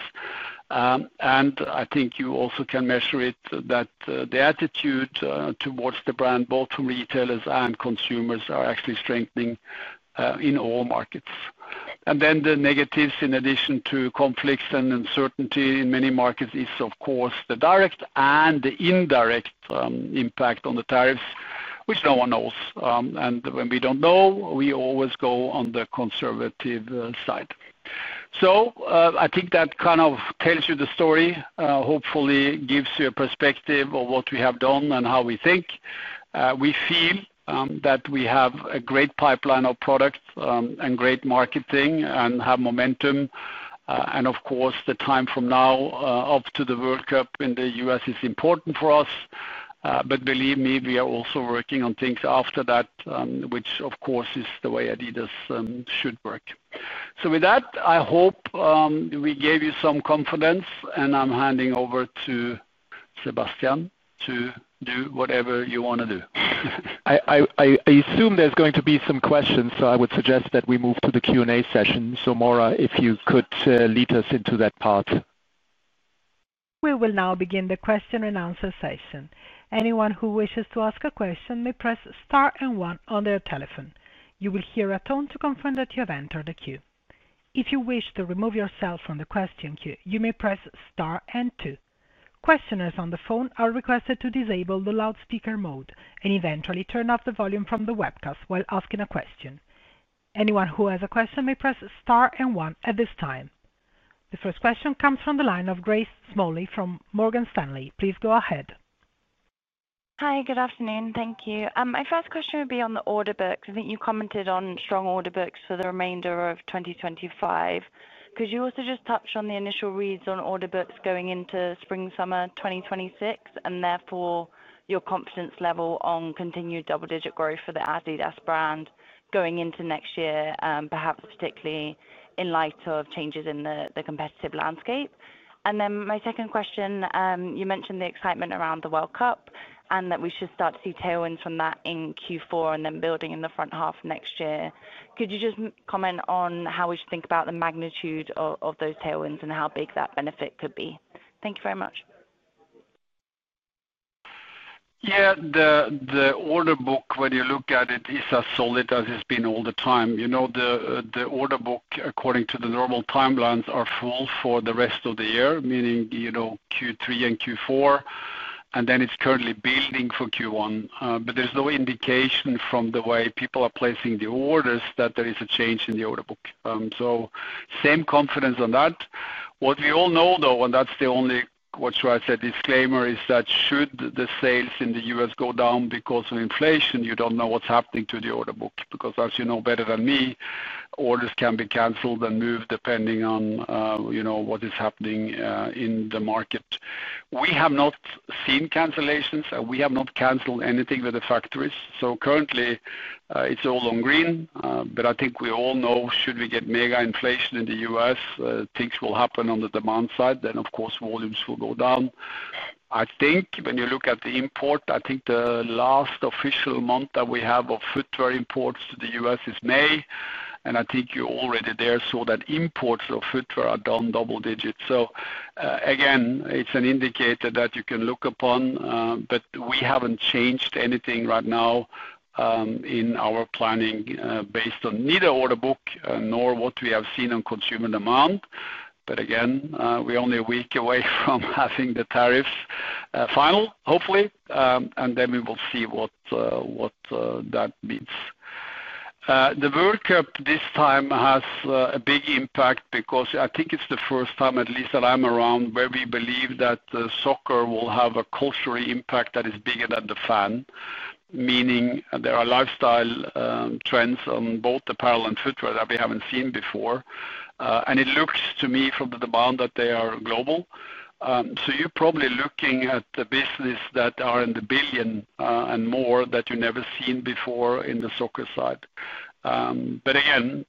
I think you also can measure it that the attitude towards the brand, both from retailers and consumers, is actually strengthening in all markets. The negatives, in addition to conflicts and uncertainty in many markets, is of course the direct and indirect impact of the tariffs, which no one knows. When we don't know, we always go on the conservative side. I think that kind of tells you the story, hopefully gives you a perspective of what we have done and how we think. We feel that we have a great pipeline of products and great marketing and have momentum. Of course, the time from now up to the World Cup in the US is important for us, but believe me, we are also working on things after that, which of course is the way adidas should work. I hope we gave you some confidence and I'm handing over to Sebastian to do whatever you want to do. I assume there's going to be some, questions, so I would suggest that we move to the Q&A session. Moira, if you could lead us into that part? We will now begin the question and answer session. Anyone who wishes to ask a question may press * and 1 on the telephone. You will hear a tone to confirm that you have entered the queue. If you wish to remove yourself from the question queue, you may press * and 2. Questioners on the phone are requested to disable the loudspeaker mode and eventually turn off the volume from the webcast while asking a question. Anyone who has a question may press * and 1 at this time. The first question comes from the line of Grace Smalley from Morgan Stanley. Please go ahead. Hi, good afternoon. Thank you. My first question would be on the order books. I think you commented on strong order books for the remainder of 2025. Could you also just touch on the initial reads on order books going into Spring-Summer 2026 and therefore your confidence level on continued double digit growth for the athlete US brand going into next year, perhaps particularly in light of changes in the competitive landscape. My second question, you mentioned the excitement around the World Cup and that we should start to see tailwinds from that in Q4 and then building in the front half next year. Could you just comment on how we should think about the magnitude of those tailwinds and how big that benefit could be? Thank you very much. Yeah, the order book, when you look at it, is as solid as it's been all the time. You know, the order book according to the normal timelines are full for the rest of the year, meaning, you know, Q3 and Q4, and then it's currently building for Q1. There is no indication from the way people are placing the orders that there is a change in the order book. Same confidence on that. What we all know though, and that's the only, what should I say, disclaimer, is that should the sales in the U.S. go down because of inflation, you don't know what's happening to the order book because, as you know better than me, orders can be cancelled and moved depending on what is happening in the market. We have not seen cancellations, we have not cancelled anything with the factories. Currently it's all on green. I think we all know should we get mega inflation in the U.S., things will happen on the demand side. Of course, volumes will go down. I think when you look at the import, I think the last official month that we have of footwear imports to the U.S. is May. I think you already there saw that imports of footwear are down double digits. Again, it's an indicator that you can look upon. We haven't changed anything right now in our planning based on neither order book nor what we have seen on consumer demand. Again, we're only a week away from having the tariffs finally, hopefully, and then we will see what that means. The World Cup this time has a big impact because I think it's the first time at least that I'm around where we believe that soccer will have a cultural impact that is bigger than the fan. Meaning there are lifestyle trends on both apparel and footwear that we haven't seen before. It looks to me from the demand that they are global. You're probably looking at the business that are in the billion and more that you never seen before in the soccer side. Again,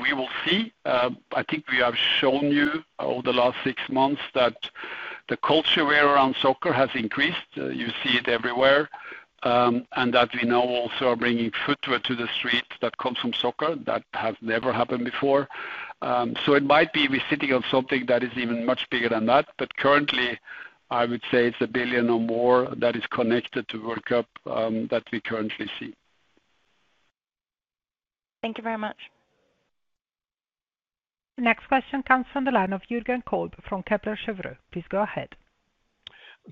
we will see. I think we have shown you over the last six months that the culture we are around soccer has increased. You see it everywhere. We now also are bringing footwear to the street that comes from soccer. That has never happened before. It might be we're sitting on something that is even much bigger than that. Currently, I would say it's a 1 billion or more that is connected to World Cup that we currently see. Thank you very much. Next question comes from the line of Jürgen Kolb from Kepler Cheuvreux. Please go ahead.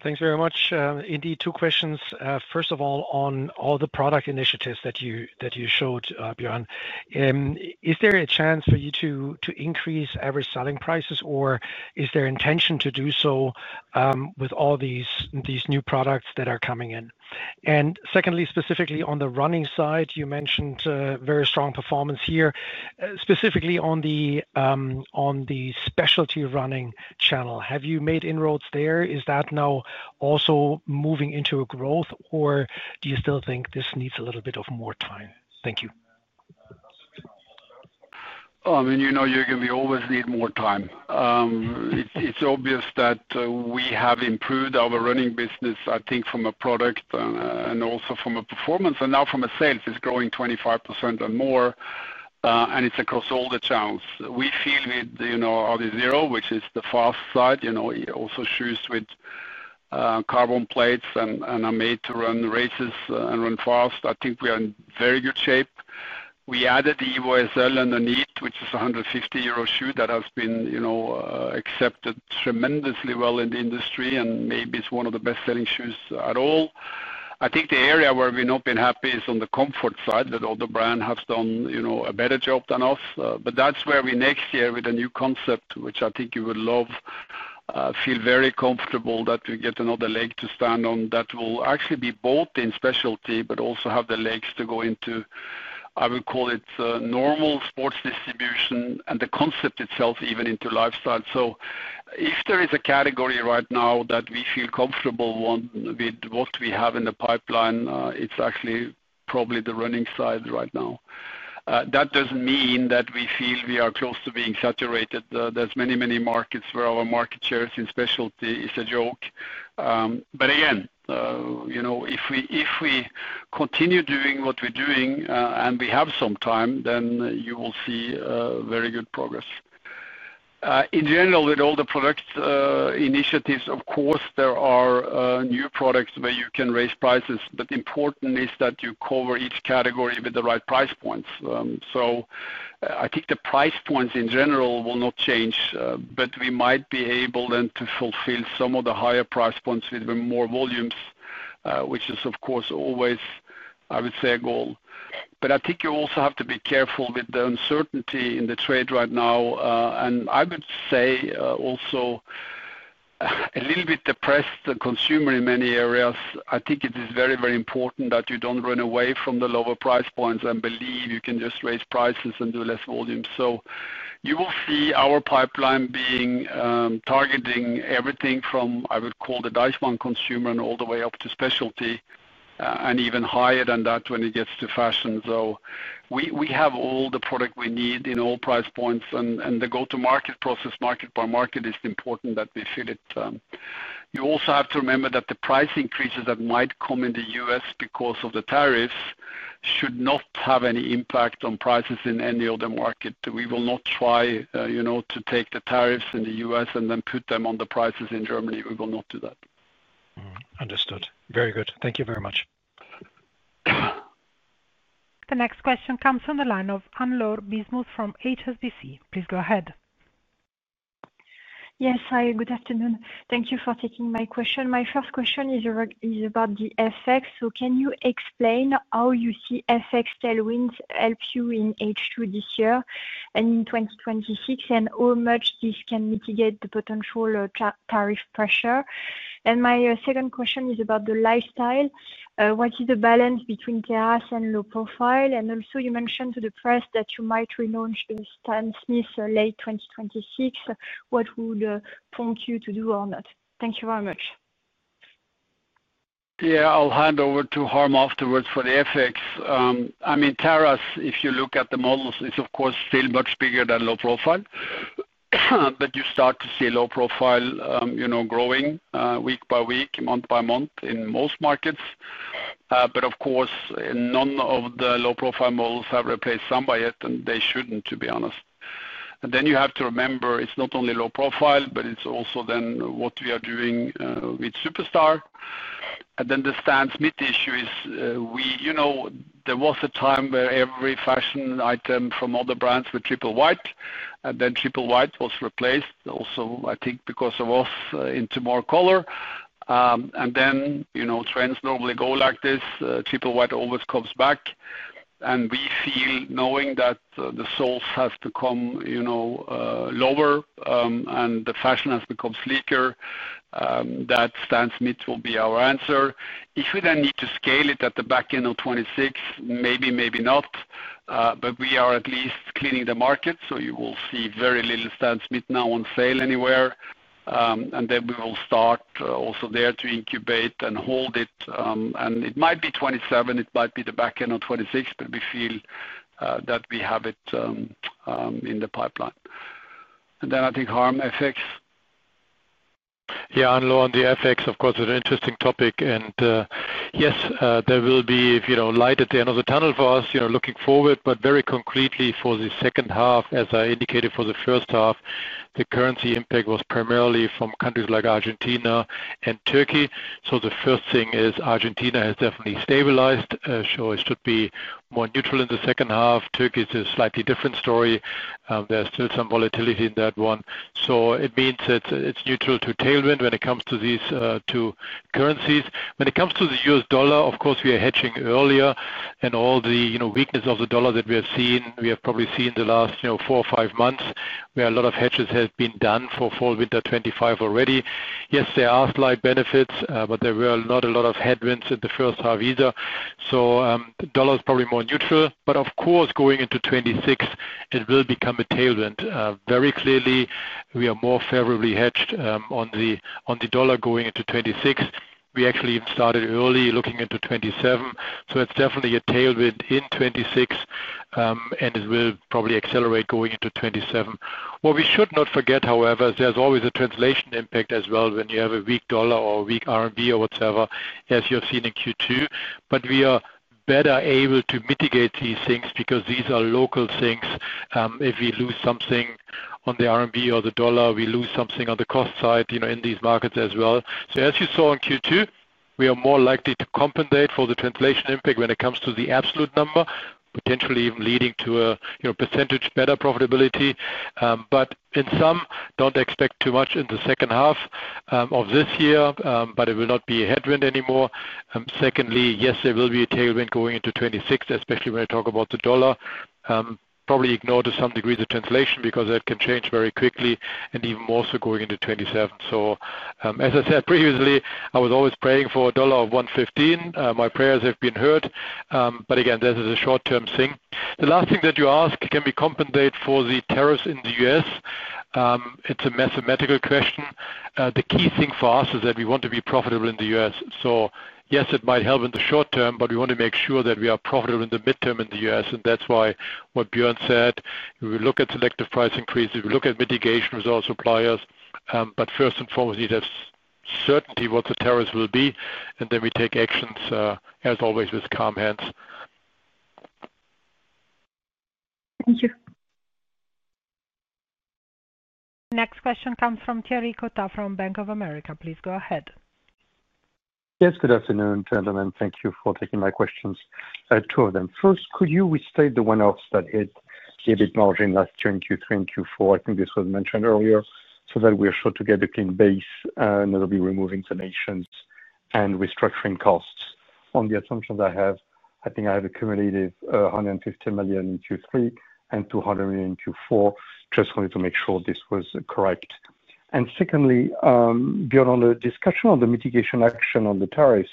Thanks very much. Indeed, two questions. First of all, on all the product initiatives that you showed, Bjørn, is there. A chance for you to increase average. Selling prices or is there intention to do so with all these new products that are coming in. Secondly, specifically on the running side, you mentioned very strong performance here, specifically, on the specialty running channel. Have you made inroads there? Is that now also moving into a growth or do you still think this needs a little bit of more time? Thank you. I mean, you know, Jürgen, we always need more time. It's obvious that we have improved our running business, I think from a product and also from a performance. And now from a sales, it's growing 25% and more. And it's across all the channels we feel with Adizero, which is the fast side, you know, also shoes with carbon plates and are made to run races and run fast. I think we are in very good shape. We added the SL underneath, which is 150 euro shoe that has been accepted tremendously well in the industry and maybe it's one of the best selling shoes at all. I think the area where we've not been happy is on the comfort side that all the brand has done a better job than us. But that's where we next year with a new concept which I think you would love, feel very comfortable that we get another leg to stand on that will actually be both in specialty but also have the legs to go into, I would call it normal sports distribution and the concept itself even into lifestyle. If there is a category right now that we feel comfortable with what we have in the pipeline, it's actually probably the running side right now. That doesn't mean that we feel we are close to being saturated. There's many, many markets where our market share in specialty is a joke. Again, if we continue doing what we're doing and we have some time, then you will see very good progress. In general with all the products initiatives, of course there are new products where you can raise prices, but important is that you cover each category with the right price points. I think the price points in general will not change, but we might be able then to fulfill some of the higher price points with more volumes, which is of course always, I would say a goal. I think you also have to be careful with the uncertainty in the trade right now. I would say also a little bit depressed the consumer in many areas. I think it is very, very important that you don't run away from the lower price points and believe you can just raise prices and do less volumes. You will see our pipeline being targeting everything from I would call the dice, one consumer and all the way up to specialty and even higher than that when it gets to fashion. We have all the product we need in all price points and the go to market process, market by market is important that we fit it. You also have to remember that the price increases that might come in the US because of the tariffs should not have any impact on prices in any other market. Try, you know, to take the tariffs in the US and then put them on the prices in Germany. We will not do that. Understood. Very good. Thank you very much. The next question comes from the line of Anne-Laure Bismuth from HSBC. Please go ahead. Yes, hi, good afternoon. Thank you for taking my question. My first question is about the FX. Can you explain how you see FX tailwinds help you in H2 this year and in 2026 and how much this can mitigate the potential tariff pressure? My second question is about the lifestyle. What is the balance between Terrex and low profile? Also, you mentioned to the press that you might relaunch the Stan Smith late 2026. What would prompt you to do or not? Thank you very much. Yeah, I'll hand over to Harm afterwards for the FX. I mean, Terrex, if you look at the models, it is of course still much bigger than low-profile that you start to see low profile growing week by week, month by month in most markets. Of course, none of the low-profile models have replaced Samba yet. They should not, to be honest. You have to remember it is not only low profile, but it is also then what we are doing with Superstar. The Stan Smith issue is, you know, there was a time where every fashion item from other brands was triple white and then triple white was replaced also, I think because of us, into more color. You know, trends normally go like this. Triple white always comes back and we feel, knowing that the soles have to come lower and the fashion has become sleeker, that Stan Smith will be our answer if we then need to scale it at the back end of 2026. Maybe, maybe not. We are at least cleaning the market. You will see very little Stan Smith now on sale anywhere. We will start also there to incubate and hold it. It might be 2027, it might be the back end of 2026, but we feel that we have it in the pipeline. I think Harm, FX. Yeah, Anne-Laure, on the FX, of course, is an interesting topic. Yes, there will be light at the end of the tunnel for us looking forward. Very concretely, for the second half, as I indicated, for the first half, the currency impact was primarily from countries like Argentina and Turkey. The first thing is Argentina has definitely stabilized. Sure, it should be more neutral in the second half. Turkey is a slightly different story. There is still some volatility in that one. It means that it is neutral to tailwind when it comes to these two currencies. When it comes to the US dollar, of course, we are hedging earlier and all the weakness of the dollar that we have seen, we have probably seen in the last four or five months where a lot of hedges have been done for fall, winter 2025 already. Yes, there are slight, but there were not a lot of headwinds in the first half either. The dollar is probably more neutral. Of course, going into 2026, it will become a tailwind. Very clearly, we are more favorably hedged on the dollar going into 2026. We actually started early looking into 2027. It is definitely a tailwind in 2026 and it will probably accelerate going into 2027. What we should not forget, however, is there is always a translation impact as well when you have a weak dollar or weak RMB or whatever, as you in Q2. We are better able to mitigate these things because these are local things. If we lose something on the RMB or the dollar, we lose something on the cost side in these markets as well. As you saw in Q2, we are more likely to compensate for the translation impact when it comes to the absolute number, potentially even leading to a % better profitability. In sum, do not expect too much in the second half of this year, but it will not be a headwind anymore. Secondly, yes, there will be a tailwind going into 2026, especially when I talk about the dollar, probably ignore to some degree the translation because that can change very quickly and even more so going into 2027. As I said previously, I was always praying for a dollar of 1.15. My prayers have been heard. Again, this is a short term thing. The last thing that you ask, can we compensate for the tariffs in the U.S.? It is a mathematical question. The key thing for us is that we want to be profitable in the U.S. Yes, it might help in the short term, but we want to make sure that we are profitable in the midterm in the U.S. That is why, what Bjørn said, we look at selective price increases, we look at mitigation with all suppliers, but first and foremost you have certainty what the tariffs will be and then we take actions, as always with calm hands. Thank you. Next question comes from Thierry Cota from Bank of America. Erica, please go ahead. Yes, good afternoon gentlemen. Thank you for taking my questions, two of them. First, could you restate the one offs? That hit the EBIT margin last year, in Q3 and Q4? I think this was mentioned earlier so that we are sure to get a clean base and it will be removing donations and restructuring costs. On the assumptions I have, I think, I have accumulated 150 million in Q3 and 200 million in Q4. Just wanted to make sure this was correct. Secondly, beyond the discussion on the mitigation action on the tariffs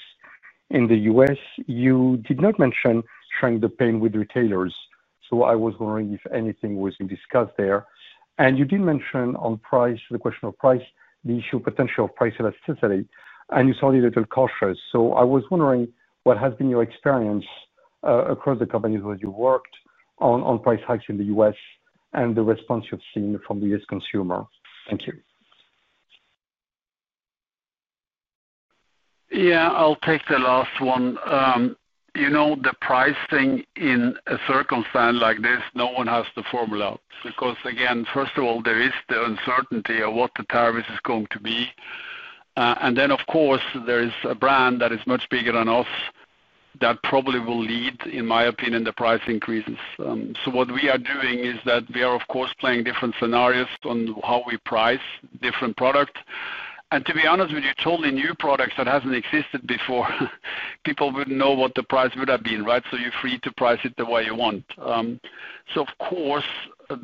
in the. U.S., you did not mention sharing the pain with retailers. I was wondering if anything was being discussed there? You did mention on price, the. Question of price, the issue potential of price elasticity and you saw it a little cautious. I was wondering what has been your experience across the companies where you worked on price hikes in the US and the response you've seen from the US consumer? Thank you. Yeah, I'll take the last one. You know, the pricing in a circumstance like this, no one has the formula because again, first of all there is the uncertainty of what the tariff is going to be and then of course there is a brand that is much bigger than us that probably will lead, in my opinion, the price increases. What we are doing is that we are of course different scenarios on how we price different product and to be honest with you, totally new products that hasn't existed before, people wouldn't know what the price would have been, right? You're free to price it the way you want. Of course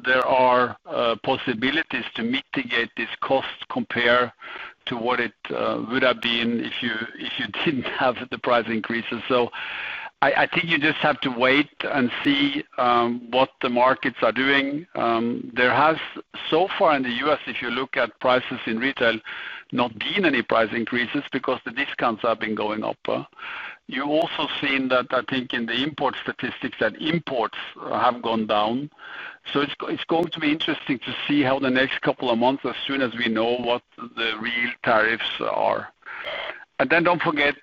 there are possibilities to mitigate this cost compared to what it would have been if you did not have the price increases. I think you just have to wait and see what the markets are doing. There has so far in the U.S., if you look at prices in retail, not been any price increases because the discounts have been going up. You have also seen that, I think, in the import statistics that imports have gone down. It is going to be interesting to see how the next couple of months go, as soon as we know what the real tariffs are. Do not forget,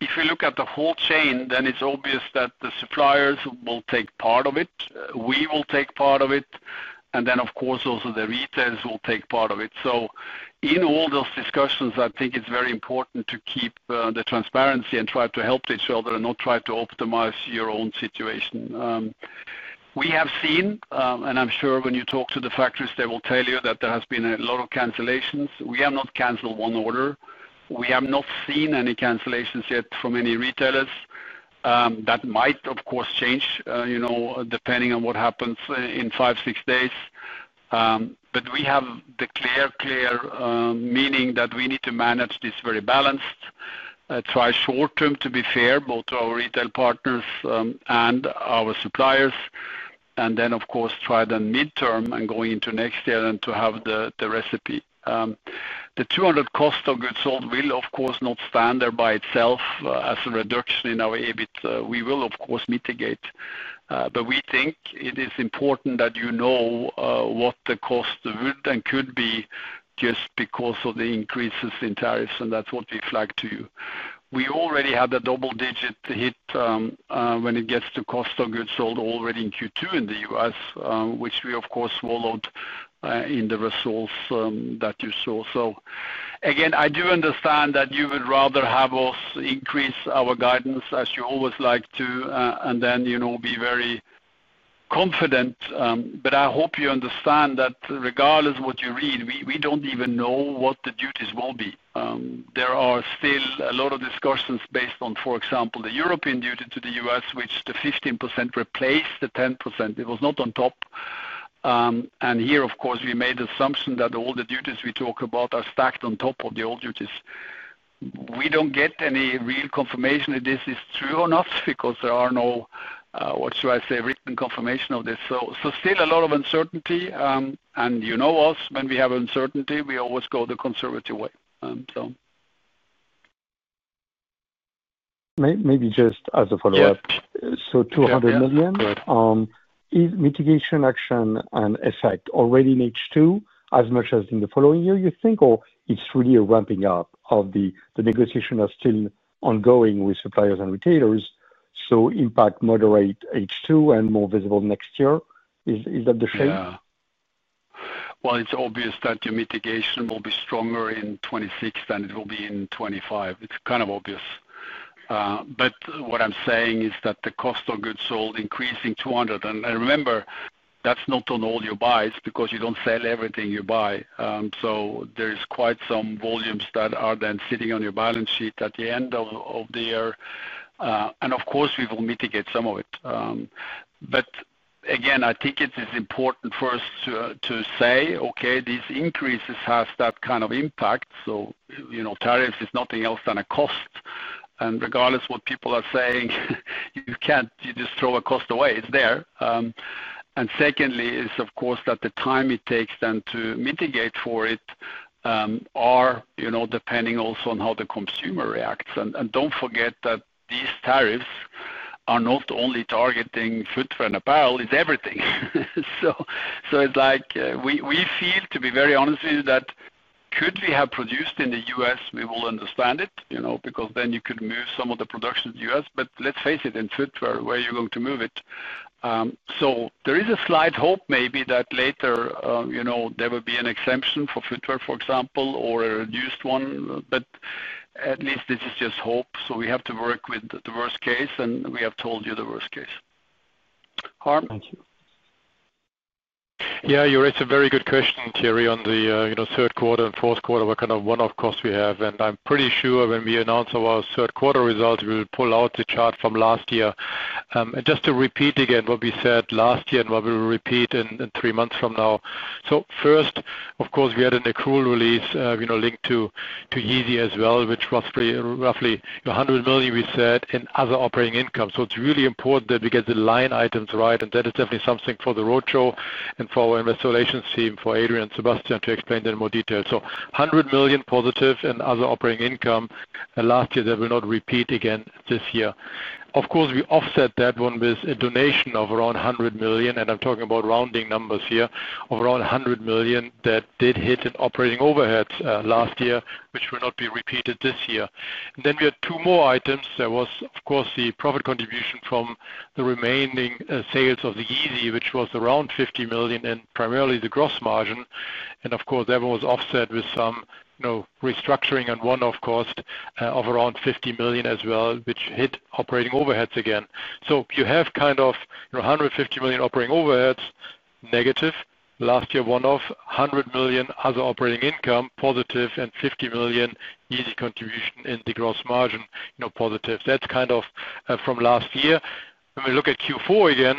if you look at the whole chain, then it is obvious that the suppliers will take part of it, we will take part of it, and then of course also the retailers will take part of it. In all those discussions I think it is very important to keep the transparency and try to help each other and not try to optimize your own situation. We have seen, and I am sure when you talk to the factories they will tell you, that there have been a lot of cancellations. We have not cancelled one order, we have not seen any cancellations yet from any retailers. That might, of course, change depending on what happens in five or six days. We have the clear, clear meaning that we need to manage this very balanced, try short term to be fair both to our retail partners and our suppliers, and then of course try the midterm and going into next year and to have the recipe. The 200 cost of goods sold will of course not stand there by itself as a reduction in our EBIT. We will of course mitigate, but we think it is important that you know what that could be just because of the increases in tariffs, and that is what we flagged to you. \We already had a double-digit hit when it gets to cost of goods sold already in Q2 in the U.S., which we of course swallowed in the results that you saw. Again, I do understand that you would rather have us increase our guidance as you always like to, and then, you know, be very confident. I hope you understand that regardless of what you read, we do not even know what the duties will be. There are still a lot of discussions based on, for example, the European duty to the U.S., which the 15% replaced the 10%. It was not on top. Here, of course, we made the assumption that all the duties we talk about are stacked on top of the old duties. We don't get any real confirmation if this is true or not because there are no, what should I say, written confirmation of this. Still a lot of uncertainty. You know us, when we have uncertainty, we always go the conservative way, Maybe just as a follow up. 200 million is mitigation, action and, effect already in H2 as much as in the following year you think? Or it's really a ramping up of? The negotiations are still ongoing with suppliers and retailers. Impact moderate H2 and more visible next year is. Is that the same? It is obvious that your mitigation will be stronger in 2026 than it will be in 2025. It is kind of obvious. What I am saying is that the cost of goods sold increasing 200 and remember that is not on all your buys because you do not sell everything you buy. There are quite some volumes that are then sitting on your balance sheet at the end of the year. Of course we will mitigate some of that. Again, I think it is important first to say okay, these increases have that kind of impact. Tariffs are nothing else than a cost. Regardless what people are saying, you cannot just throw a cost away. It is there. Secondly, the time it takes then to mitigate for it is, you know, depending also on how the consumer reacts. Do not forget that these tariffs are not only targeting footwear and apparel, it is everything. We feel, to be very honest with you, that if we could have produced in the US we would understand it because then you could move some of the production to the US, but let us face it, in footwear, where are you going to move it? There is a slight hope maybe that later there will be an exemption for footwear, for example, but at least this is just hope. We have to work with the worst case and we have told you the worst case. Harm? Thank you. Yeah, you raised a very good question, Thierry, on the third quarter and fourth quarter, what kind of one-off cost we have. I'm pretty sure when we announce our third quarter results, we will pull out the chart from last year just to repeat again what we said last year and what we will repeat in three months from now. First, of course we had an accrual release linked to Yeezy as well, which was roughly 100 million we said in other operating income. It's really important that we get the line items right. That is definitely something for the roadshow and for our investor relations team, for Adrian Sebastian to explain in more detail. 100 million positive in other operating income last year that will not repeat again this year. Of course, we offset that one with a donation of around 100 million. I'm talking about rounding numbers here of around 100 million that did hit in operating overheads last year, which will not be repeated this year. Then we had two more items. There was, of course, the profit contribution from the remaining sales of the Yeezy, which was around 50 million and primarily the gross margin. That was offset with some restructuring and one-off cost of around 50 million as well, which hit operating overheads again. You have kind of 150 million operating overheads negative last year, one-off 100 million other operating income positive, and 50 million Yeezy contribution in the gross margin positive. That's kind of from last year when we look at Q4 again,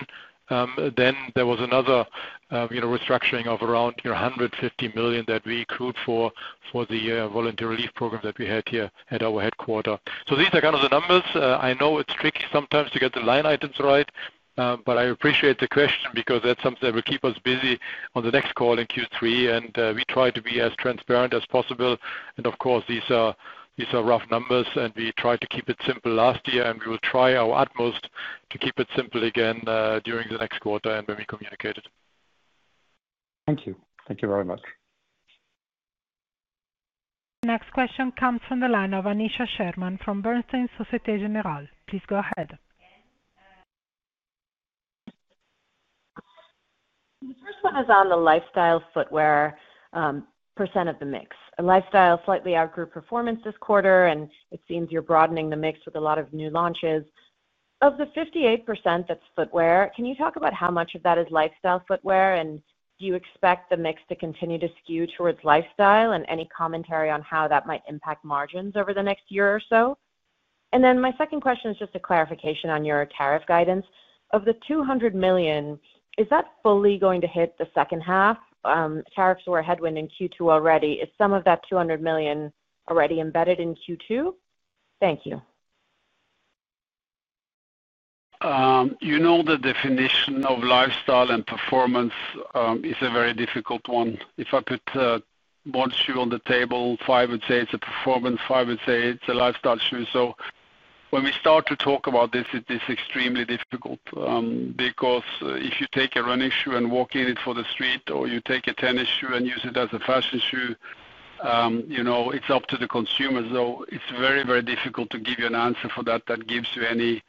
then there was another restructuring of around 150 million that we accrued for the voluntary relief program that we had here at our headquarter. These are kind of the numbers. I know it's tricky sometimes to get the line items right, but I appreciate the question because that's something that will keep us busy on the next call in Q3. We try to be as transparent as possible. Of course, these are rough numbers and we tried to keep it simple last year and we will try our utmost to keep it simple again during the next quarter and when we communicate it. Thank you. Thank you very much. Next question comes from the line of Aneesha Sherman from Bernstein Societe Generale. Please go ahead. The first one is on the lifestyle footwear percent of the mix. Lifestyle slightly outgrew our footwear this quarter and it seems you're broadening the mix with a lot of new launches. Of the 58% that's footwear, can you talk about how much of that is lifestyle footwear? Do you expect the mix to continue to skew towards lifestyle and any commentary on how that might impact margins over the next year or so? My second question is just a clarification on your tariff guidance of the 200 million, is that fully going to hit the second half? Tariffs were a headwind in Q2 already. Is some of that 200 million already embedded in Q2? Thank you. You know, the definition of lifestyle and performance is a very difficult one. If I put one shoe on the table, five would say it's a performance, five, I would say it's a lifestyle shoe. When we start to talk about this, it is extremely difficult because if you take a running shoe and walk in it for the street, or you take a tennis shoe and use it as a fashion shoe, you know, it's up to the consumer. It is very, very difficult to give you an answer for that that gives you any,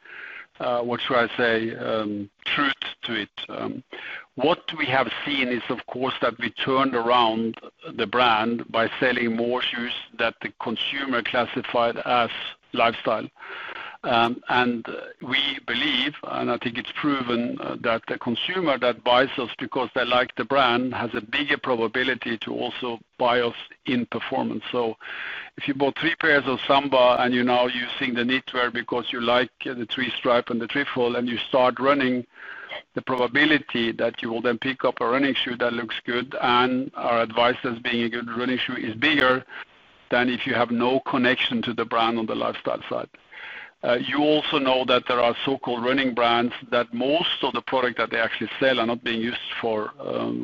what should I say, truth to it. What we have seen is of course that we turned around the brand by selling more shoes that the consumer classified as lifestyle. We believe, and I think it's proven, that the consumer that buys us because they like the brand has a bigger proportion ability to also buy us in performance. If you bought three pairs of Samba and you're now using the knitwear because you like the three stripe and the triple and you start running, the probability that you will then pick up a running shoe that looks good and our advice as being a good running shoe is bigger than if you have no connection to the brand on the lifestyle side. You also know that there are so-called running brands that most of the product that they actually sell are not being used for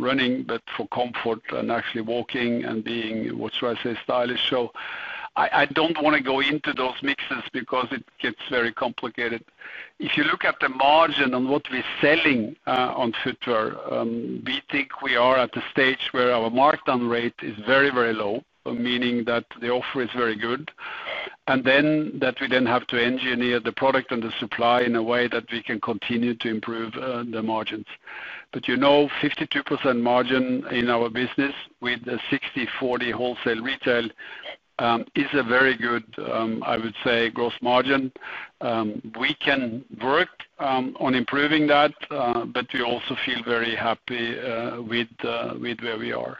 running but for comfort and actually walking and being, what should I say, stylish shoe. I don't want to go into those mixes because it gets very complicated. If you look at the margin on what we're selling on footwear, we think we are at the stage where our markdown rate is very, very low, meaning that the offer is very good and that we then have to engineer the product and the supply in a way that we can continue to improve the margins. You know, 52% margin in our business with the 60-40 wholesale, wholesale, retail is a very good, I would say, gross margin. We can work on improving that. We also feel very happy with where we are.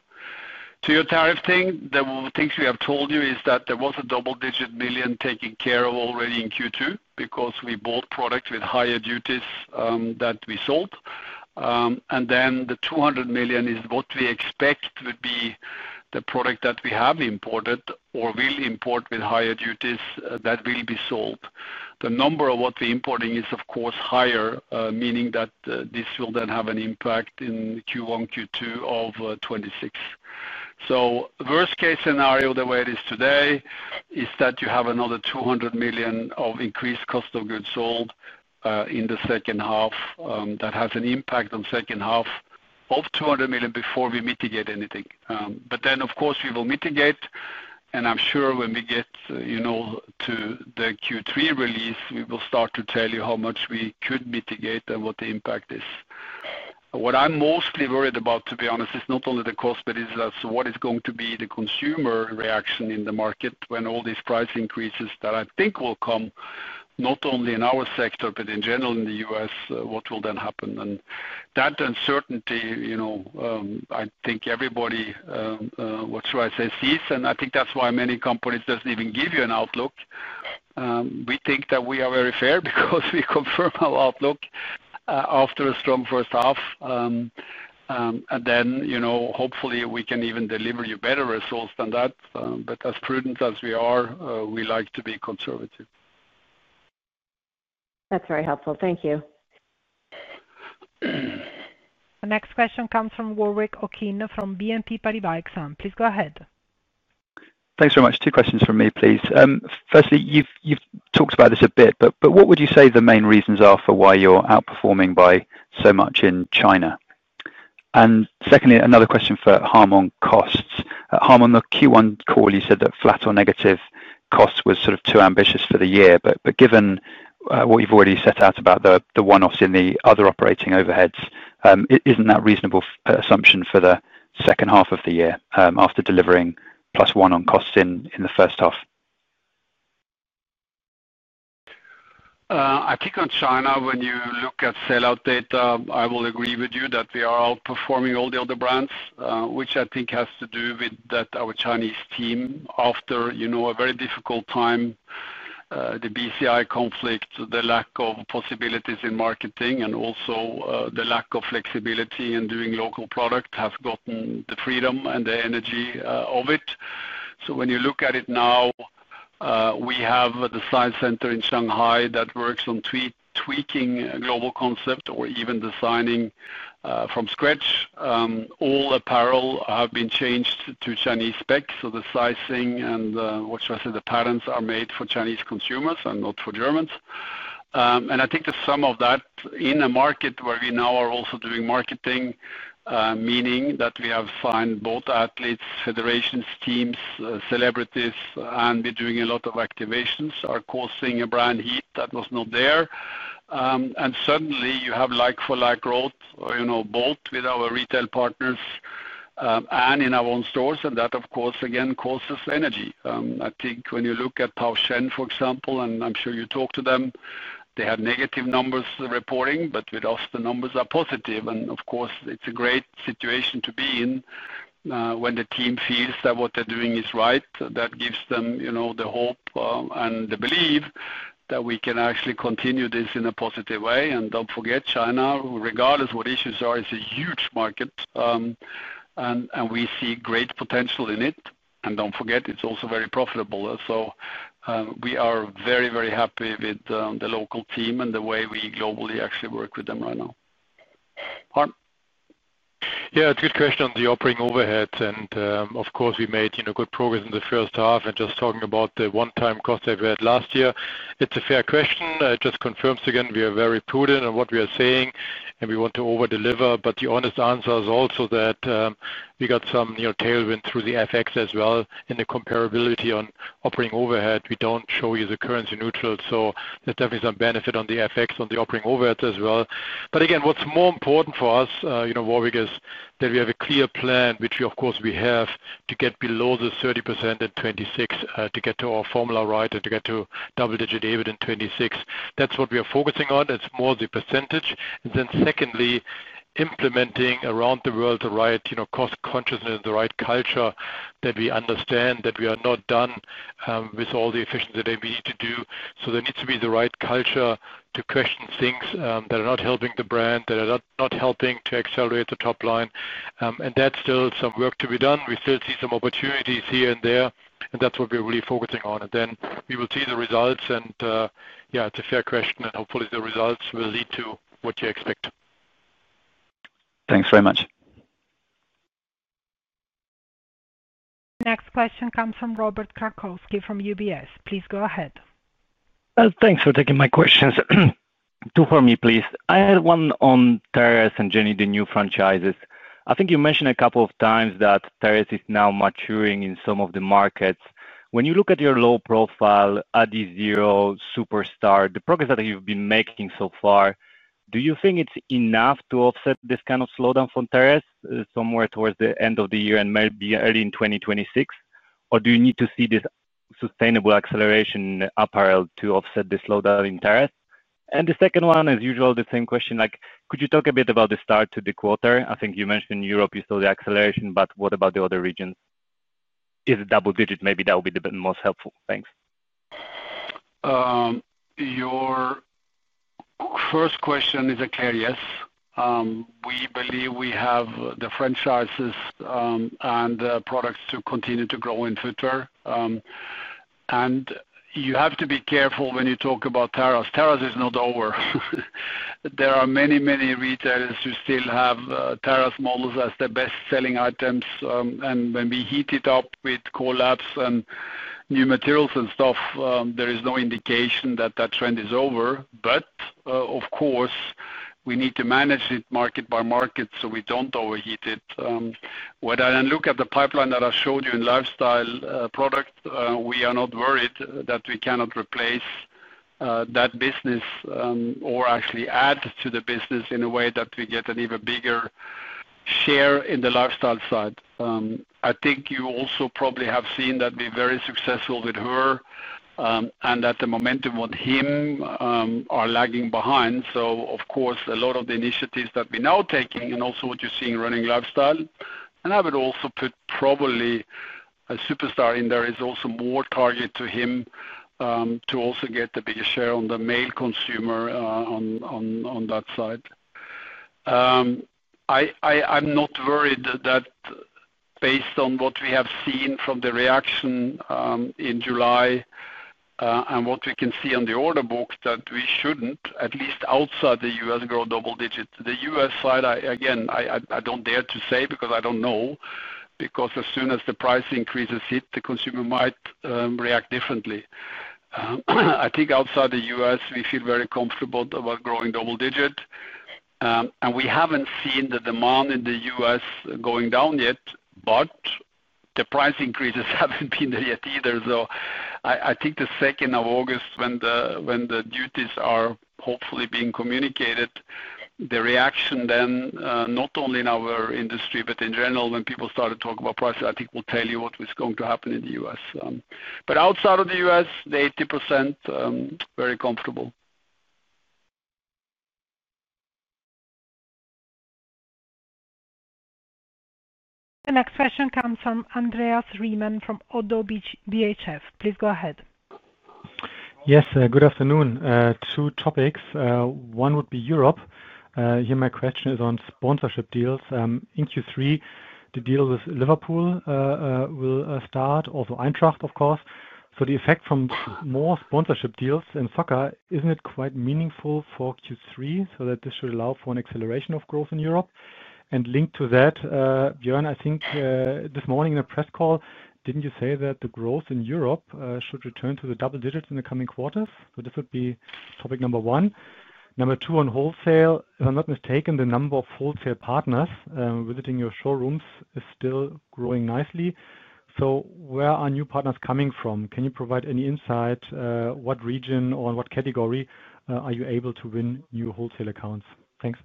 To your tariff thing, the things we have told you is that there was a double-digit million taken care of already in Q2 because we bought products with higher duties that we sold. The 200 million is what we expect would be the product that we have imported or will import with higher duties that will be sold. The number of what we're importing is of course higher, meaning that this will then have an impact in Q1, Q2 of 2026. Worst case scenario, the way it is today is that you have another 200 million of increased cost of goods sold in the second half. That has an impact on second half of 200 million before we mitigate anything. But then of course we will mitigate and I'm sure when we get to the Q3 release we will start to tell you how much we could mitigate and what the impact is. What I'm mostly worried about, to be honest, is not only the cost, but is what is going to be the consumer reaction in the market. When all these price increases that I think will come not only in our sector but in general in the US what will then happen? And that uncertainty, you know, I think everybody, what should I say, sees and I think that's why many companies. But it doesn't even give you an outlook. We think that we are very fair because we confirm our outlook after a strong first half and then hopefully we can even deliver you better results than that. But as prudent as we are, we like to be conservative. That's very helpful, thank you. The next question comes from Warwick Okines from BNP Paribas. Like Sam, please go ahead. Thanks very much. Two questions from me please. Firstly, you've talked about this a bit, but what would you say the main reasons are for why you're outperforming by so much in China? Secondly, another question for Harm on costs. Harm, on the Q1 call you said that flat or negative cost was sort of too ambitious for the year. Given what you've already set out about the one offs in the other operating overheads, isn't that a reasonable assumption for the second half of the year after delivering plus one on costs in the first half? I think on China, when you look at sell out data, I. Will agree with you that we are. Outperforming all the other brands, which I think has to do with that, our Chinese team, after a very difficult time, the BCI conflict, the lack of possibilities in marketing and also the lack of flexibility in doing local product has gotten different and the energy of it. When you look at it now, we have a design center in Shanghai that works on tweaking global concepts or even designing from scratch. All apparel have been changed to Chinese spec. The sizing and, what should I say, the patterns are made for Chinese consumers and not for Germans. I think that some of that in a market where we now are also doing marketing, meaning that we have signed both athletes, federations, teams, celebrities and we are doing a lot of activations, are causing a brand heat that was not there and suddenly you have like-for-like growth both with our retail partners and in our own stores. That of course again causes synergy. I think when you look at Tao Shen for example, and I am sure you talk to them, they have negative numbers reporting but with us the numbers are positive. Of course it is a great situation to be in. When the team feels that what they are doing is right, that gives them the hope and the belief that we can actually continue this in a positive way. Do not forget China, regardless what issues are, is a huge market and we see great potential in it. Do not forget it is also very profitable. We are very, very happy with the local team and the way we globally actually work with them right now. Harm? Yeah, it's a good question on the operating overhead and of course we made good progress in the first half and just talking about the one-time cost average last year, it's a fair question. It just confirms again we are very prudent in what we are saying and we want to over deliver. The honest answer is also that we got some tailwind through the FX as well in the comparability on operating overhead. We don't show you the currency-neutral. There is definitely some benefit on the FX on the operating overhead as well. What's more important for us, Warwick, is that we have a clear plan which of course we have to get below the 30% at 26 to get to our formula right and to get to double-digit EBITDA in '26. That's what we are focusing on. It's more the percentage and then secondly implementing around the world the right cost consciousness, the right culture that we understand that we are not done with all the efficiency we need to do. There needs to be the right culture to question things that are not helping the brand, that are not helping to accelerate the top line. That's still some work to be done. We still see some opportunities here and there and that's what we're really focusing on and then we will see the results. Yeah, it's a fair question and hopefully the results will lead to what you expect. Thanks very much. Next question comes from Robert Krankowski from UBS. Please go ahead. Thanks for taking my questions, two for me, please. I had one on Terrex and the new franchises. I think you mentioned a couple of times that Terrex is now maturing in some of the markets. When you look at your low profile, at the Samba, Superstar, the progress that you've been making so far, do you think it's enough to offset this kind of slowdown from Terrex somewhere towards the end of the year and maybe early in 2026? Or do you need to see this sustainable acceleration in apparel to offset the slowdown in Terrex? And the second one is usual, the same question, like could you talk a bit about the start to the quarter? I think you mentioned in Europe you saw the acceleration, but what about the other regions? Is it double digit? Maybe that would be the most helpful. Thanks. Your first question is a clear yes, we believe we have the franchises and products to continue to grow in footwear. You have to be careful when you talk about tariffs. Tariffs is not over. There are many, many retail, you still have tariff models as the best selling items. When we heat it up with collabs and new materials and stuff, there is no indication that that trend is over. Of course, we need to manage it market by market so we do not overheat it. When I look at the pipeline that I showed you in lifestyle product, we are not worried that we cannot replace that business or actually add to the business in a way that we get an even bigger share in the lifestyle side. I think you also probably have seen that we are very successful with her and that the momentum on him are lagging behind. Of course, a lot of the initiatives that we are now taking and also what you are seeing running lifestyle, and I would also put probably a Superstar in there, is also more targeted to him to also get the biggest share on the male consumer on that side. I am not worried that based on what we have seen from the reaction in July and what we can see on the order book that we should not at least outside the U.S. grow double digit. The U.S. side again, I do not dare to say because I do not know because as soon as the price increases hit, the consumer might react differently. I think outside the U.S. we feel very comfortable about growing double digit and we have not seen the demand in the U.S. going down yet, but the price increases have not been there yet either. I think the 2nd of August, when the duties are hopefully being communicated, the reaction then, not only in our industry but in general when people start to talk about prices, I think will tell you what is going to happen in the U.S. Outside of the U.S., the 80% very comfortable. The next question comes from Andreas Riemann from ODDO BHF. Please go ahead. Yes, good afternoon. Two topics. One would be Europe. Here my question is on sponsorship deals in Q3. The deal with Liverpool will start on, also Eintracht, of course. The effect from more sponsorship deals in soccer, isn't it quite meaningful for Q3 so that this should allow for an acceleration of growth in Europe? Linked to that, Bjørn, I think this morning in a press call, didn't. You say that the growth in Europe, should return to the double digits in the coming quarters? This would be topic number one. Number two on wholesale, if I'm not mistaken, the number of wholesale partners visiting your shop showrooms is still growing nicely. Where are new partners coming from? Can you provide any insight? What region or in what category are you able to win new wholesale accounts? Thanks.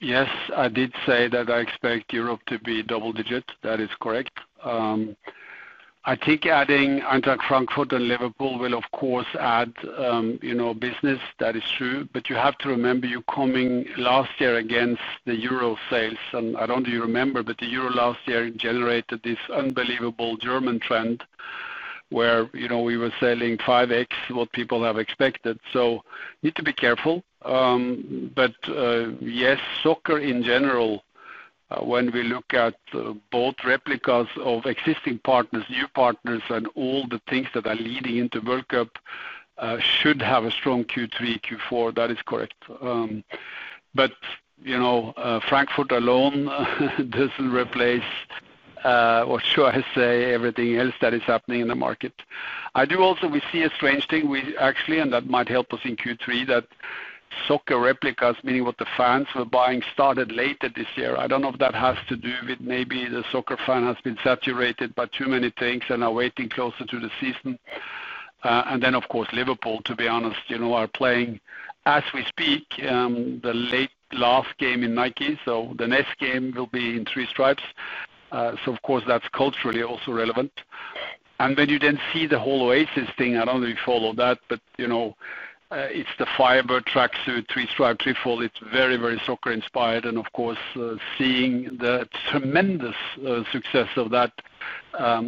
Yes, I did say that I expect. Europe to be double digit. That is correct. I think adding Eintracht Frankfurt and Liverpool will of course add business. That is true. You have to remember you are coming last year against the Euro sales and I do not remember, but the Euro last year generated this unbelievable German trend where, you know, we were selling 5x what people have expected, so need to be careful. Yes, soccer in general, when we look at both replicas of existing partners, new partners, and all the things that are leading into World Cup should have a strong Q3, Q4. That is correct. Frankfurt alone does not replace, or should I say, everything else that is happening in the market. I do also, we see a strange thing actually and that might help us in Q3, that soccer replicas, meaning what the fans were buying, started later this year. I do not know if that has to do with maybe the soccer fan has been saturated by too many things and are waiting closer to the season. Of course, Liverpool, to be honest, are playing as we speak, the late last game in Nike. The next game will be in three stripes. Of course, that is culturally also relevant. When you then see the whole Oasis thing, I do not know if you follow that, but, you know, it is the Firebird tracksuit, three stripe, threefold. It is very, very soccer inspired. Seeing the tremendous success of that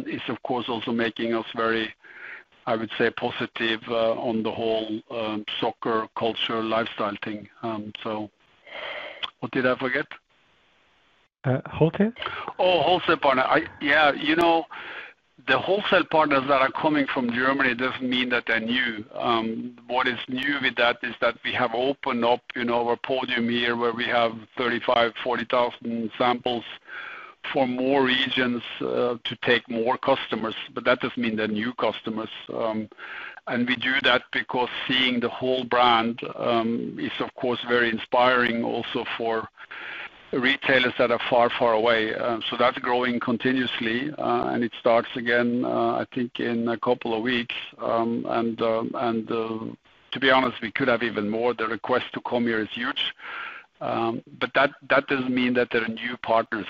is of course also making us very, I would say, positive on the whole soccer culture, lifestyle. What did I forget? Wholesale. Oh, wholesale partner. Yeah. You know, the wholesale partners that are coming from Germany does not mean that they are new. What is new with that is that we have opened up our podium here where we have 35,000-40,000 samples for more regions to take more customers. That does not mean they are new customers. We do that because seeing the whole brand is, of course, very inspiring also, also for retailers that are far, far away. That is growing continuously and it starts again, I think, in a couple of weeks. To be honest, we could have even more. The request to come here is huge. That does not mean that there are new partners.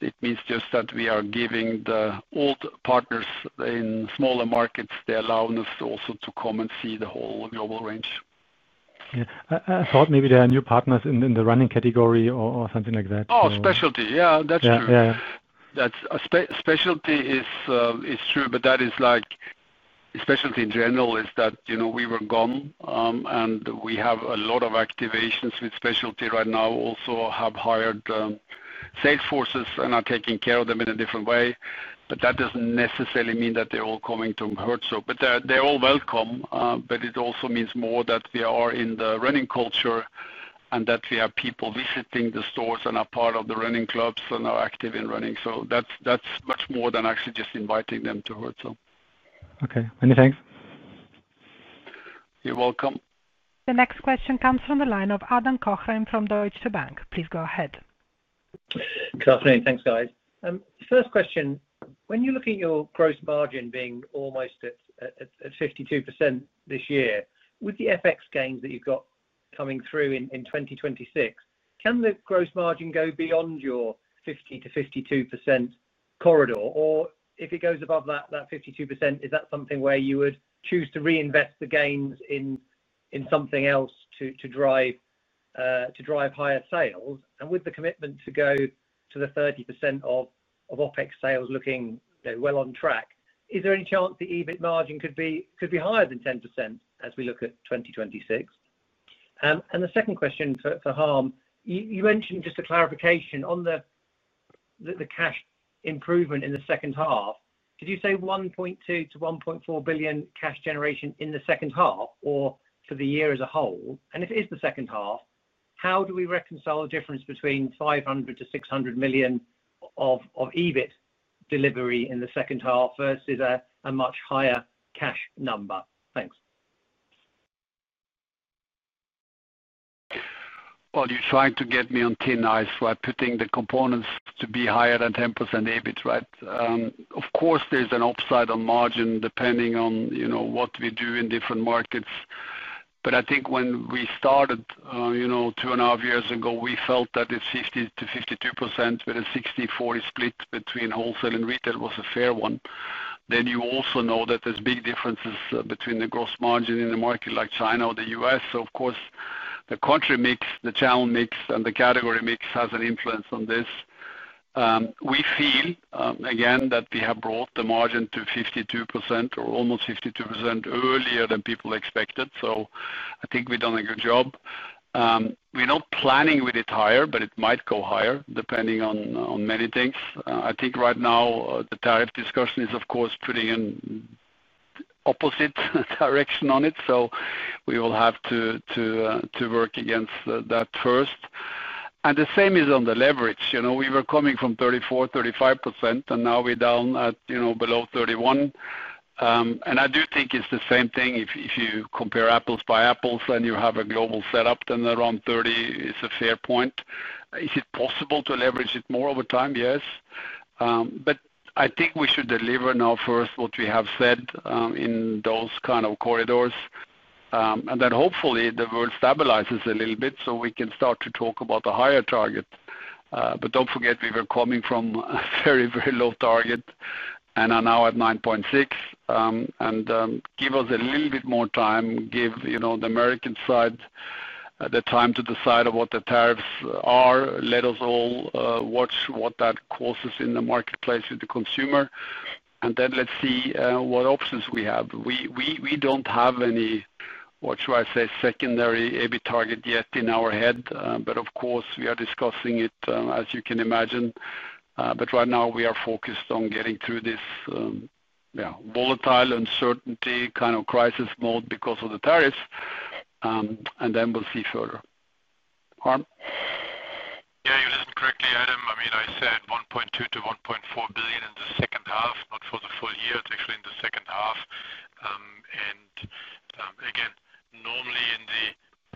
It means just that we are giving the old partners in smaller markets. They allow us also to come and see the whole global range. I thought maybe there are new partners in the running category or something like that? Oh, specialty. Yeah, that's true. Specialty is true. That is like specialty in general is that, you know, we were gone and we have a lot of activations with specialty right now. Also have hired sales forces and are taking care of them in a different way. That does not necessarily mean that they are all coming to Herzogenaurach, but they are all welcome. It also means more that we are in the running culture and that we have people visiting the stores and are part of the running clubs and are active in running. That is much more than actually just inviting them to Herzogenaurach. Okay, many thanks. You are welcome. The next question comes from the line of Adam Cochrane from Deutsche Bank. Please go ahead. Good afternoon. Thanks guys. First question, when you look at your. Gross margin being almost at 52% this year, with the FX gains that you've got coming through in 2026, can the gross margin go beyond your 50-52% corridor? Or if it goes above that 52%, is that something where you would choose to reinvest the gains in something else to drive higher sales? With the commitment to go to the 30% of CapEx sales looking on track, is there any chance the EBIT margin could be higher than 10% as we look at 2026? The second question for Harm, you. Mentioned just a clarification on the cash improvement in the second half. Did you say 1.2 billion-EUR1.4 billion cash generation in the second half or for the year as a whole? And if it is the second half, how do we reconcile the difference between 500 million-600 million of EBIT delivery in the second half versus a much higher cash number? Thanks. You're trying to get me on thin ice by putting the components to be higher than 10% EBIT. Right. Of course, there's an upside on margin depending on what we do in different markets. I think when we started two and a half years ago, we felt that 50%-52% with a 60-40 split between wholesale and retail was a fair one. You also know that there are big differences between the gross margin in a market like Greater China or the U.S., so of course the country mix, the channel mix, and the category mix have an influence on this. We feel again that we have brought the margin to 52% or almost 52% earlier than people expected. I think we've done a good job. We're not planning with it higher, but it might go higher depending on many things. I think right now the tariff discussion is, of course, putting an opposite direction on it. We will have to work against that first. The same is on the leverage. We were coming from 34%-35% and now we're down at below 31%. I do think it's the same thing. If you compare apples by apples and you have a global setup, then around 30% is a fair point. Is it possible to leverage it more over time? Yes, but I think we should deliver now first what we have said in those kind of corridors and then hopefully the world stabilizes a little bit so we can start to talk about the higher target. Don't forget we were coming from a very, very low target and are now at 9.6%. Give us a little bit more time. Give the American side the time to decide what the tariffs are. Let us all watch what that causes in the marketplace with the consumer and then let's see what options we have. We don't have any, what should I say, secondary EBIT target yet in our head. Of course, we are discussing it, as you can imagine. Right now we are focused on getting through this volatile uncertainty kind of crisis mode because of the tariffs and then we'll see further. Harm? Yeah, you listen correctly, Adam. I mean, I said 1.2 billion-1.4 billion in the second half, not for the year. It's actually in the second half. I mean, normally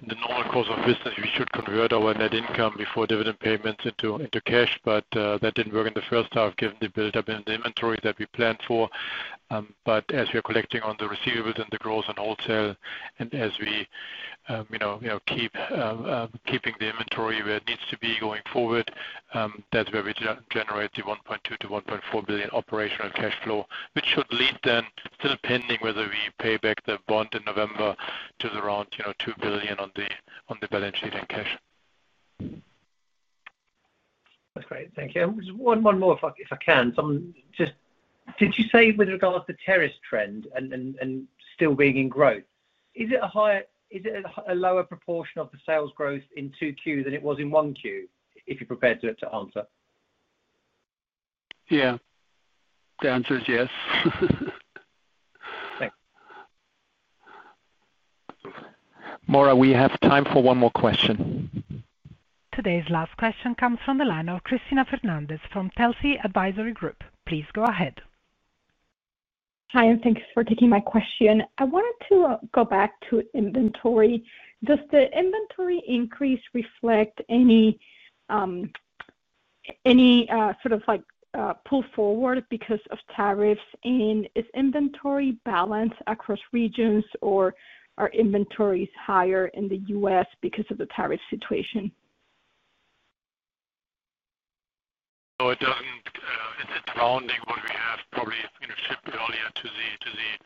in the normal course of business, we should convert our net income before dividend payments into cash, but that didn't work in the first half given the build up in the inventory that we planned for. As we are collecting on the receivables and the gross and wholesale and as we are keeping the inventory where it needs to be going forward, that's where we generate the 1.2 billion-EUR1.4 billion operational cash flow which should lead then, still pending whether we pay back the bond in November, to around 2 billion on the balance sheet in cash. That's great. Thank you. One more if I can did you say with regard to tariff trend and still being in growth, is it a lower proportion of the sales growth in 2Q than it was in 1Q? If you're prepared to answer, Yeah, the answer is yes. Moira, we have time for one more question. Today's last question comes from the line of Cristina Fernandez from Telsey Advisory Group. Please go ahead. Hi and thanks for taking my question. I wanted to go back to inventory. Does the inventory increase reflect any sort of like pull forward because of tariffs and is inventory balanced across regions or are inventories higher in the US because of the tariff situation? It doesn't, it's rounding what we have probably shipped earlier to the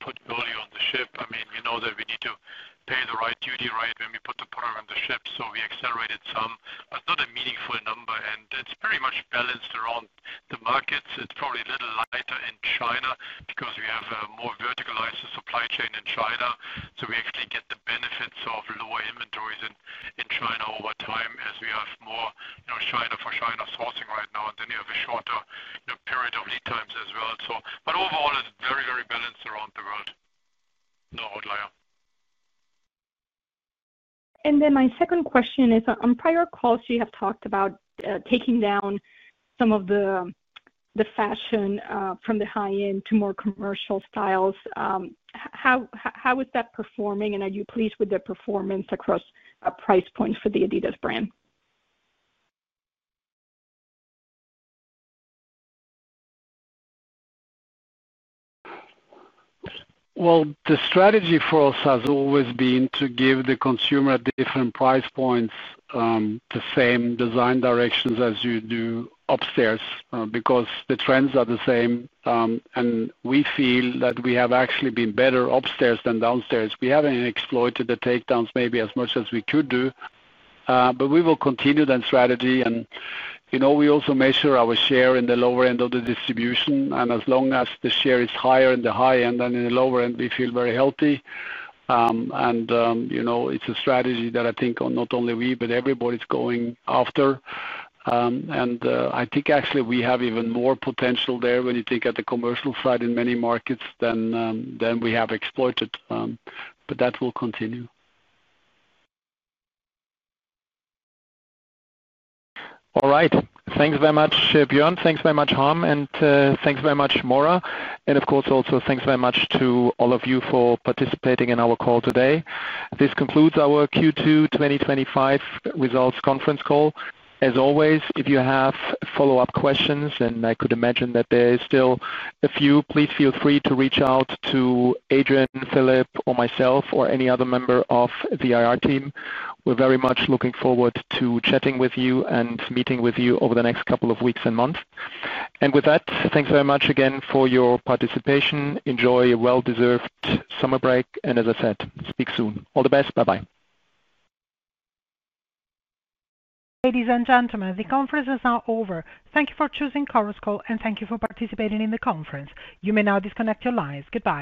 put early on the ship. I mean, you know that we need to pay the right duty right when we put the product on the ship. I mean, we accelerated some. It's not meaningful and it's pretty much balanced around the markets. It's probably a little lighter in China because we have more verticalized supply chain in China. We actually get the benefits of lower inventories in China over time as we have more China-for-China sourcing right now. You have a shorter period of lead times as well. Overall, it's very, very balanced around the world. No outlier. My second question is on price. Prior calls you have talked about taking down some of the fashion from the high end to more commercial styles. How is that performing and are you pleased with the performance across price points for the adidas brand? The strategy for us has always been to give the consumer at different price points the same design directions as you do upstairs because the trends are the same. We feel that we have actually been better upstairs than downstairs. We have not exploited the takedowns maybe as much as we could do, but we will continue that strategy. You know, we also measure our share in the lower end of the distribution and as long as the share is higher in the high end and in the lower end, we feel very healthy. You know, it is a strategy that I think on automatic only we, but everybody is going after. I think actually we have even more potential there when you think of the commercial side in many markets than we have exploited. That will continue. All right, thanks very much, Bjørn. Thanks very much, Harm. And thanks very much, Moira. And of course also thanks very much to all of you for participating in our call today. This concludes our Q2 2025 Results Conference Call. As always, if you have follow up. Questions and I could imagine that there. Is still a few, please feel free to reach out to Adrian, Philip, or myself, or any other member of the IR team. We are very much looking forward to chatting with you and meeting with you over the next couple of weeks and months. With that, thanks very much again for your participation. Enjoy a well deserved summer break, and as I said, speak soon. All the best. Bye bye. Ladies and gentlemen, the conference is now over. Thank you for choosing Chorus Call and thank you for participating in the conference. You may now disconnect your lines. Goodbye.